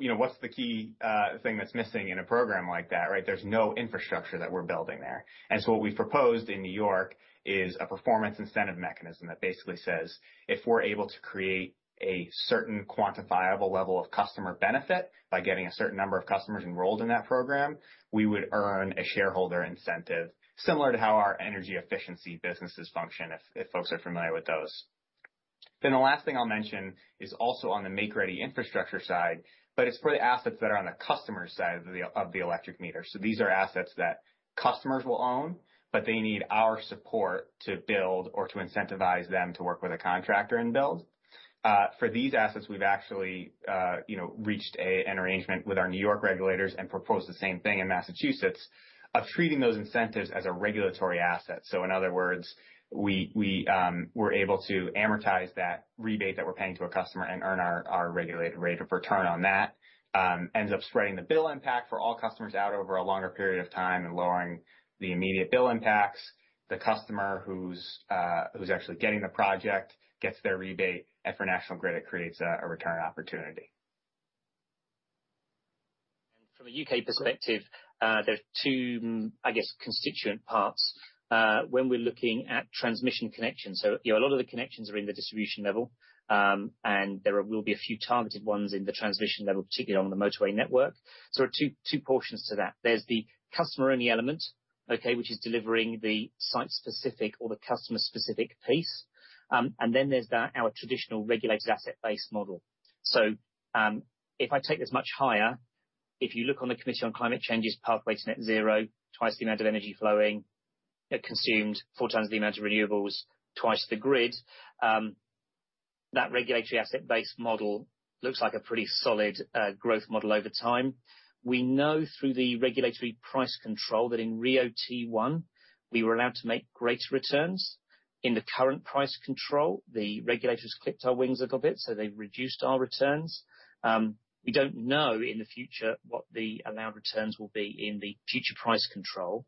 C: What's the key thing that's missing in a program like that, right? There's no infrastructure that we're building there. What we've proposed in New York is a performance incentive mechanism that basically says if we're able to create a certain quantifiable level of customer benefit by getting a certain number of customers enrolled in that program, we would earn a shareholder incentive similar to how our energy efficiency businesses function, if folks are familiar with those. The last thing I'll mention is also on the make-ready infrastructure side, but it's for the assets that are on the customer side of the electric meter. These are assets that customers will own, but they need our support to build or to incentivize them to work with a contractor and build. For these assets, we've actually reached an arrangement with our New York regulators and proposed the same thing in Massachusetts of treating those incentives as a regulatory asset. In other words, we're able to amortize that rebate that we're paying to a customer and earn our regulated rate of return on that. It ends up spreading the bill impact for all customers out over a longer period of time and lowering the immediate bill impacts. The customer who's actually getting the project gets their rebate, and for National Grid, it creates a return opportunity.
B: From a U.K. perspective, there are two, I guess, constituent parts when we're looking at transmission connections. A lot of the connections are in the distribution level, and there will be a few targeted ones in the transmission level, particularly on the motorway network. There are two portions to that. There's the customer-only element, okay, which is delivering the site-specific or the customer-specific piece. Then there's our traditional regulated asset-based model. If I take this much higher, if you look on the Commission on Climate Change's pathway to net zero, twice the amount of energy flowing consumed, four times the amount of renewables, twice the grid, that regulatory asset-based model looks like a pretty solid growth model over time. We know through the regulatory price control that in RIIO-T1, we were allowed to make greater returns. In the current price control, the regulators clipped our wings a little bit, so they reduced our returns. We do not know in the future what the allowed returns will be in the future price control.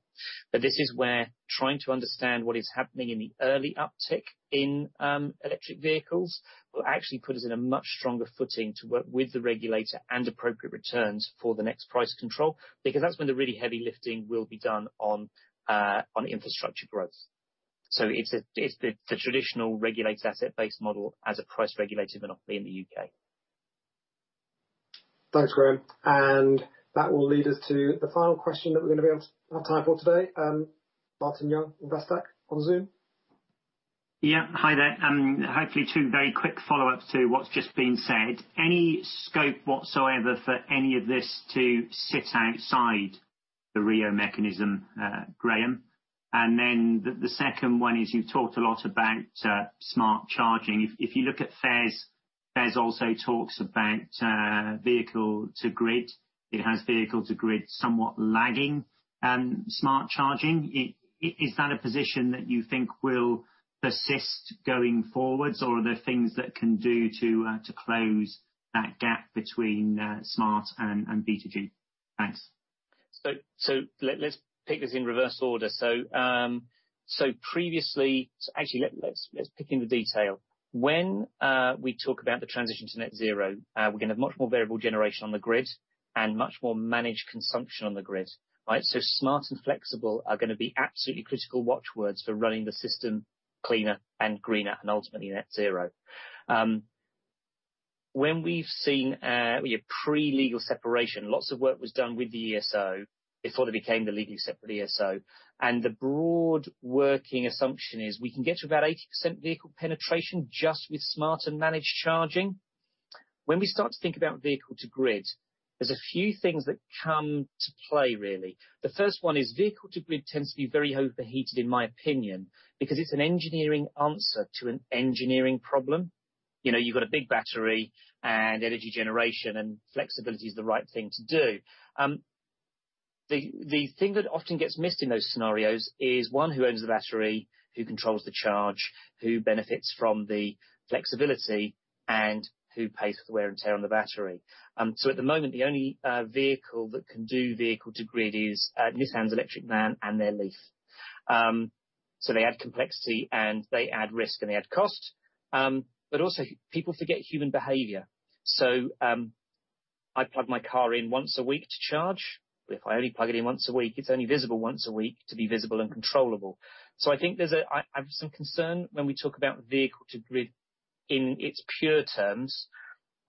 B: This is where trying to understand what is happening in the early uptick in electric vehicles will actually put us in a much stronger footing to work with the regulator and appropriate returns for the next price control because that's when the really heavy lifting will be done on infrastructure growth. It is the traditional regulated asset-based model as a price regulatory monopoly in the U.K.
A: Thanks, Graeme. That will lead us to the final question that we're going to be able to have time for today. Martin Young, investor on Zoom. Yeah. Hi there. Hopefully, two very quick follow-ups to what's just been said. Any scope whatsoever for any of this to sit outside the RIIO mechanism, Graeme? The second one is you've talked a lot about smart charging. If you look at FERS, FERS also talks about vehicle-to-grid. It has vehicle-to-grid somewhat lagging smart charging. Is that a position that you think will persist going forwards, or are there things that can do to close that gap between smart and B2G?
B: Thanks. Let's pick this in reverse order. Previously, actually, let's pick into detail. When we talk about the transition to net zero, we're going to have much more variable generation on the grid and much more managed consumption on the grid, right? Smart and flexible are going to be absolutely critical watchwords for running the system cleaner and greener and ultimately net zero. When we've seen pre-legal separation, lots of work was done with the ESO before they became the legally separate ESO. The broad working assumption is we can get to about 80% vehicle penetration just with smart and managed charging. When we start to think about vehicle-to-grid, there's a few things that come to play, really. The first one is vehicle-to-grid tends to be very overheated, in my opinion, because it's an engineering answer to an engineering problem. You've got a big battery, and energy generation and flexibility is the right thing to do. The thing that often gets missed in those scenarios is one who owns the battery, who controls the charge, who benefits from the flexibility, and who pays for the wear and tear on the battery. At the moment, the only vehicle that can do vehicle-to-grid is Nissan's electric van and their Leaf. They add complexity, and they add risk, and they add cost. People forget human behavior. I plug my car in once a week to charge. If I only plug it in once a week, it's only visible once a week to be visible and controllable. I think there's some concern when we talk about vehicle-to-grid in its pure terms.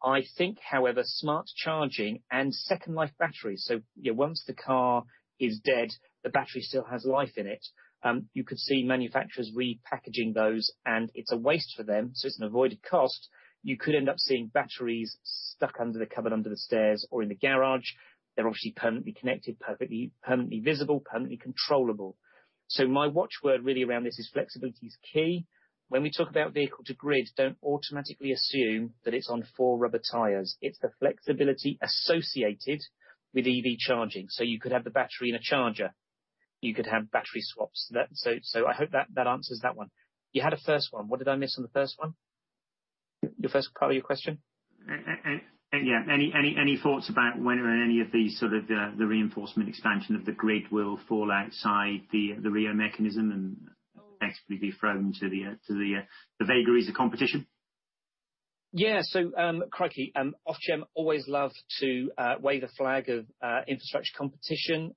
B: I think, however, smart charging and second-life batteries—so once the car is dead, the battery still has life in it—you could see manufacturers repackaging those, and it's a waste for them, so it's an avoided cost. You could end up seeing batteries stuck under the cupboard under the stairs or in the garage. They're obviously permanently connected, perfectly visible, permanently controllable. My watchword really around this is flexibility is key. When we talk about vehicle-to-grid, don't automatically assume that it's on four rubber tires. It's the flexibility associated with EV charging. You could have the battery in a charger. You could have battery swaps. I hope that answers that one. You had a first one. What did I miss on the first one? Your first part of your question? Yeah. Any thoughts about when and any of the sort of the reinforcement expansion of the grid will fall outside the RIIO mechanism and effectively be thrown to the vagaries of competition? Yeah. Crikey, Ofgem, I always love to wave a flag of infrastructure competition.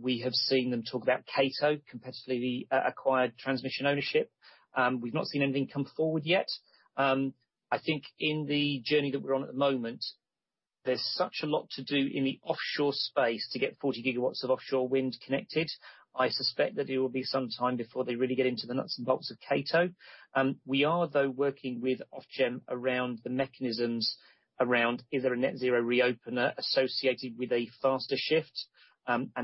B: We have seen them talk about CATO, competitively acquired transmission ownership. We have not seen anything come forward yet. I think in the journey that we are on at the moment, there is such a lot to do in the offshore space to get 40 GW of offshore wind connected. I suspect that it will be some time before they really get into the nuts and bolts of CATO. We are, though, working with Ofgem around the mechanisms around either a net zero reopener associated with a faster shift.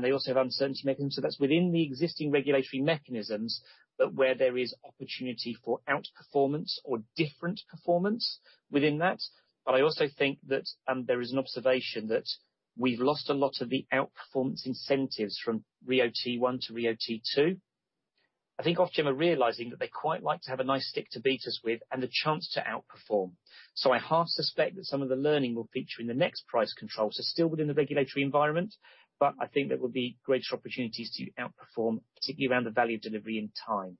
B: They also have uncertainty mechanisms. That is within the existing regulatory mechanisms, but where there is opportunity for outperformance or different performance within that. I also think that there is an observation that we have lost a lot of the outperformance incentives from RIIO-T1 to RIIO-T2. I think Ofgem are realizing that they quite like to have a nice stick to beat us with and the chance to outperform. I half suspect that some of the learning will feature in the next price control. Still within the regulatory environment, I think there will be greater opportunities to outperform, particularly around the value delivery in time.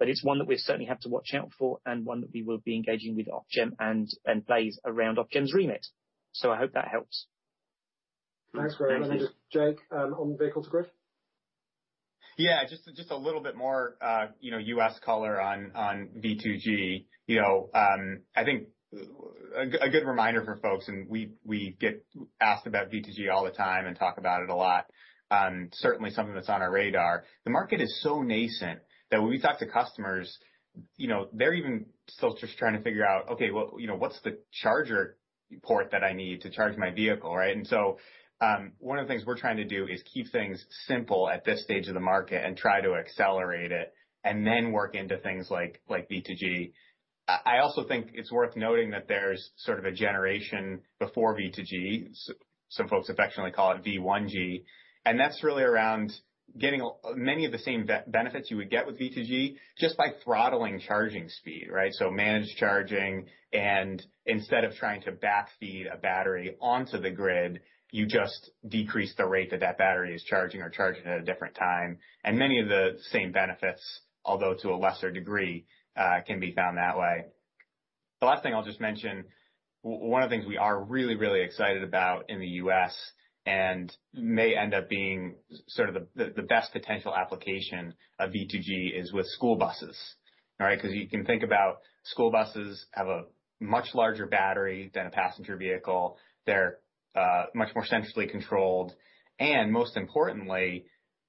B: It is one that we certainly have to watch out for and one that we will be engaging with Ofgem and BEIs around Ofgem's remit. I hope that helps.
A: Thanks, Graeme. Jake, on vehicle-to-grid?
C: Yeah. Just a little bit more U.S. color on V2G. I think a good reminder for folks, and we get asked about V2G all the time and talk about it a lot. Certainly something that's on our radar. The market is so nascent that when we talk to customers, they're even still just trying to figure out, "Okay, what's the charger port that I need to charge my vehicle?" Right? One of the things we're trying to do is keep things simple at this stage of the market and try to accelerate it and then work into things like V2G. I also think it's worth noting that there's sort of a generation before V2G. Some folks affectionately call it V1G. That's really around getting many of the same benefits you would get with V2G just by throttling charging speed, right? Managed charging, and instead of trying to backfeed a battery onto the grid, you just decrease the rate that that battery is charging or charge at a different time. Many of the same benefits, although to a lesser degree, can be found that way. The last thing I'll just mention, one of the things we are really, really excited about in the U.S., and may end up being sort of the best potential application of V2G, is with school buses, right? You can think about school buses have a much larger battery than a passenger vehicle. They're much more centrally controlled. Most importantly,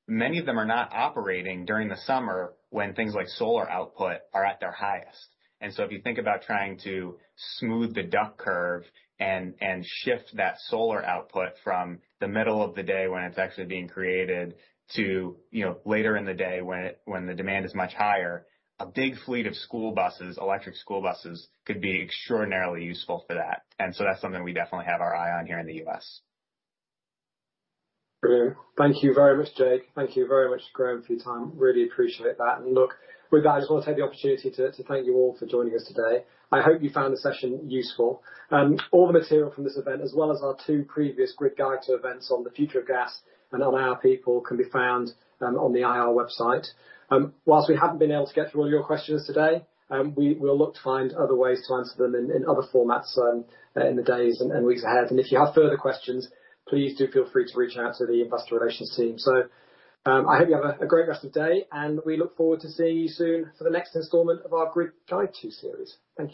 C: many of them are not operating during the summer when things like solar output are at their highest. If you think about trying to smooth the duck curve and shift that solar output from the middle of the day when it is actually being created, to later in the day, when the demand is much higher, a big fleet of electric school buses could be extraordinarily useful for that. That is something we definitely have our eye on here in the U.S.
A: Brilliant. Thank you very much, Jake. Thank you very much, Graeme, for your time. Really appreciate that. Look, with that, I just want to take the opportunity to thank you all for joining us today. I hope you found the session useful. All the material from this event, as well as our two previous Grid Guide to events on the future of gas and on our people, can be found on the IR website. Whilst we have not been able to get through all your questions today, we will look to find other ways to answer them in other formats in the days and weeks ahead. If you have further questions, please do feel free to reach out to the investor relations team. I hope you have a great rest of the day, and we look forward to seeing you soon for the next instalment of our Grid Guide to series. Thank you.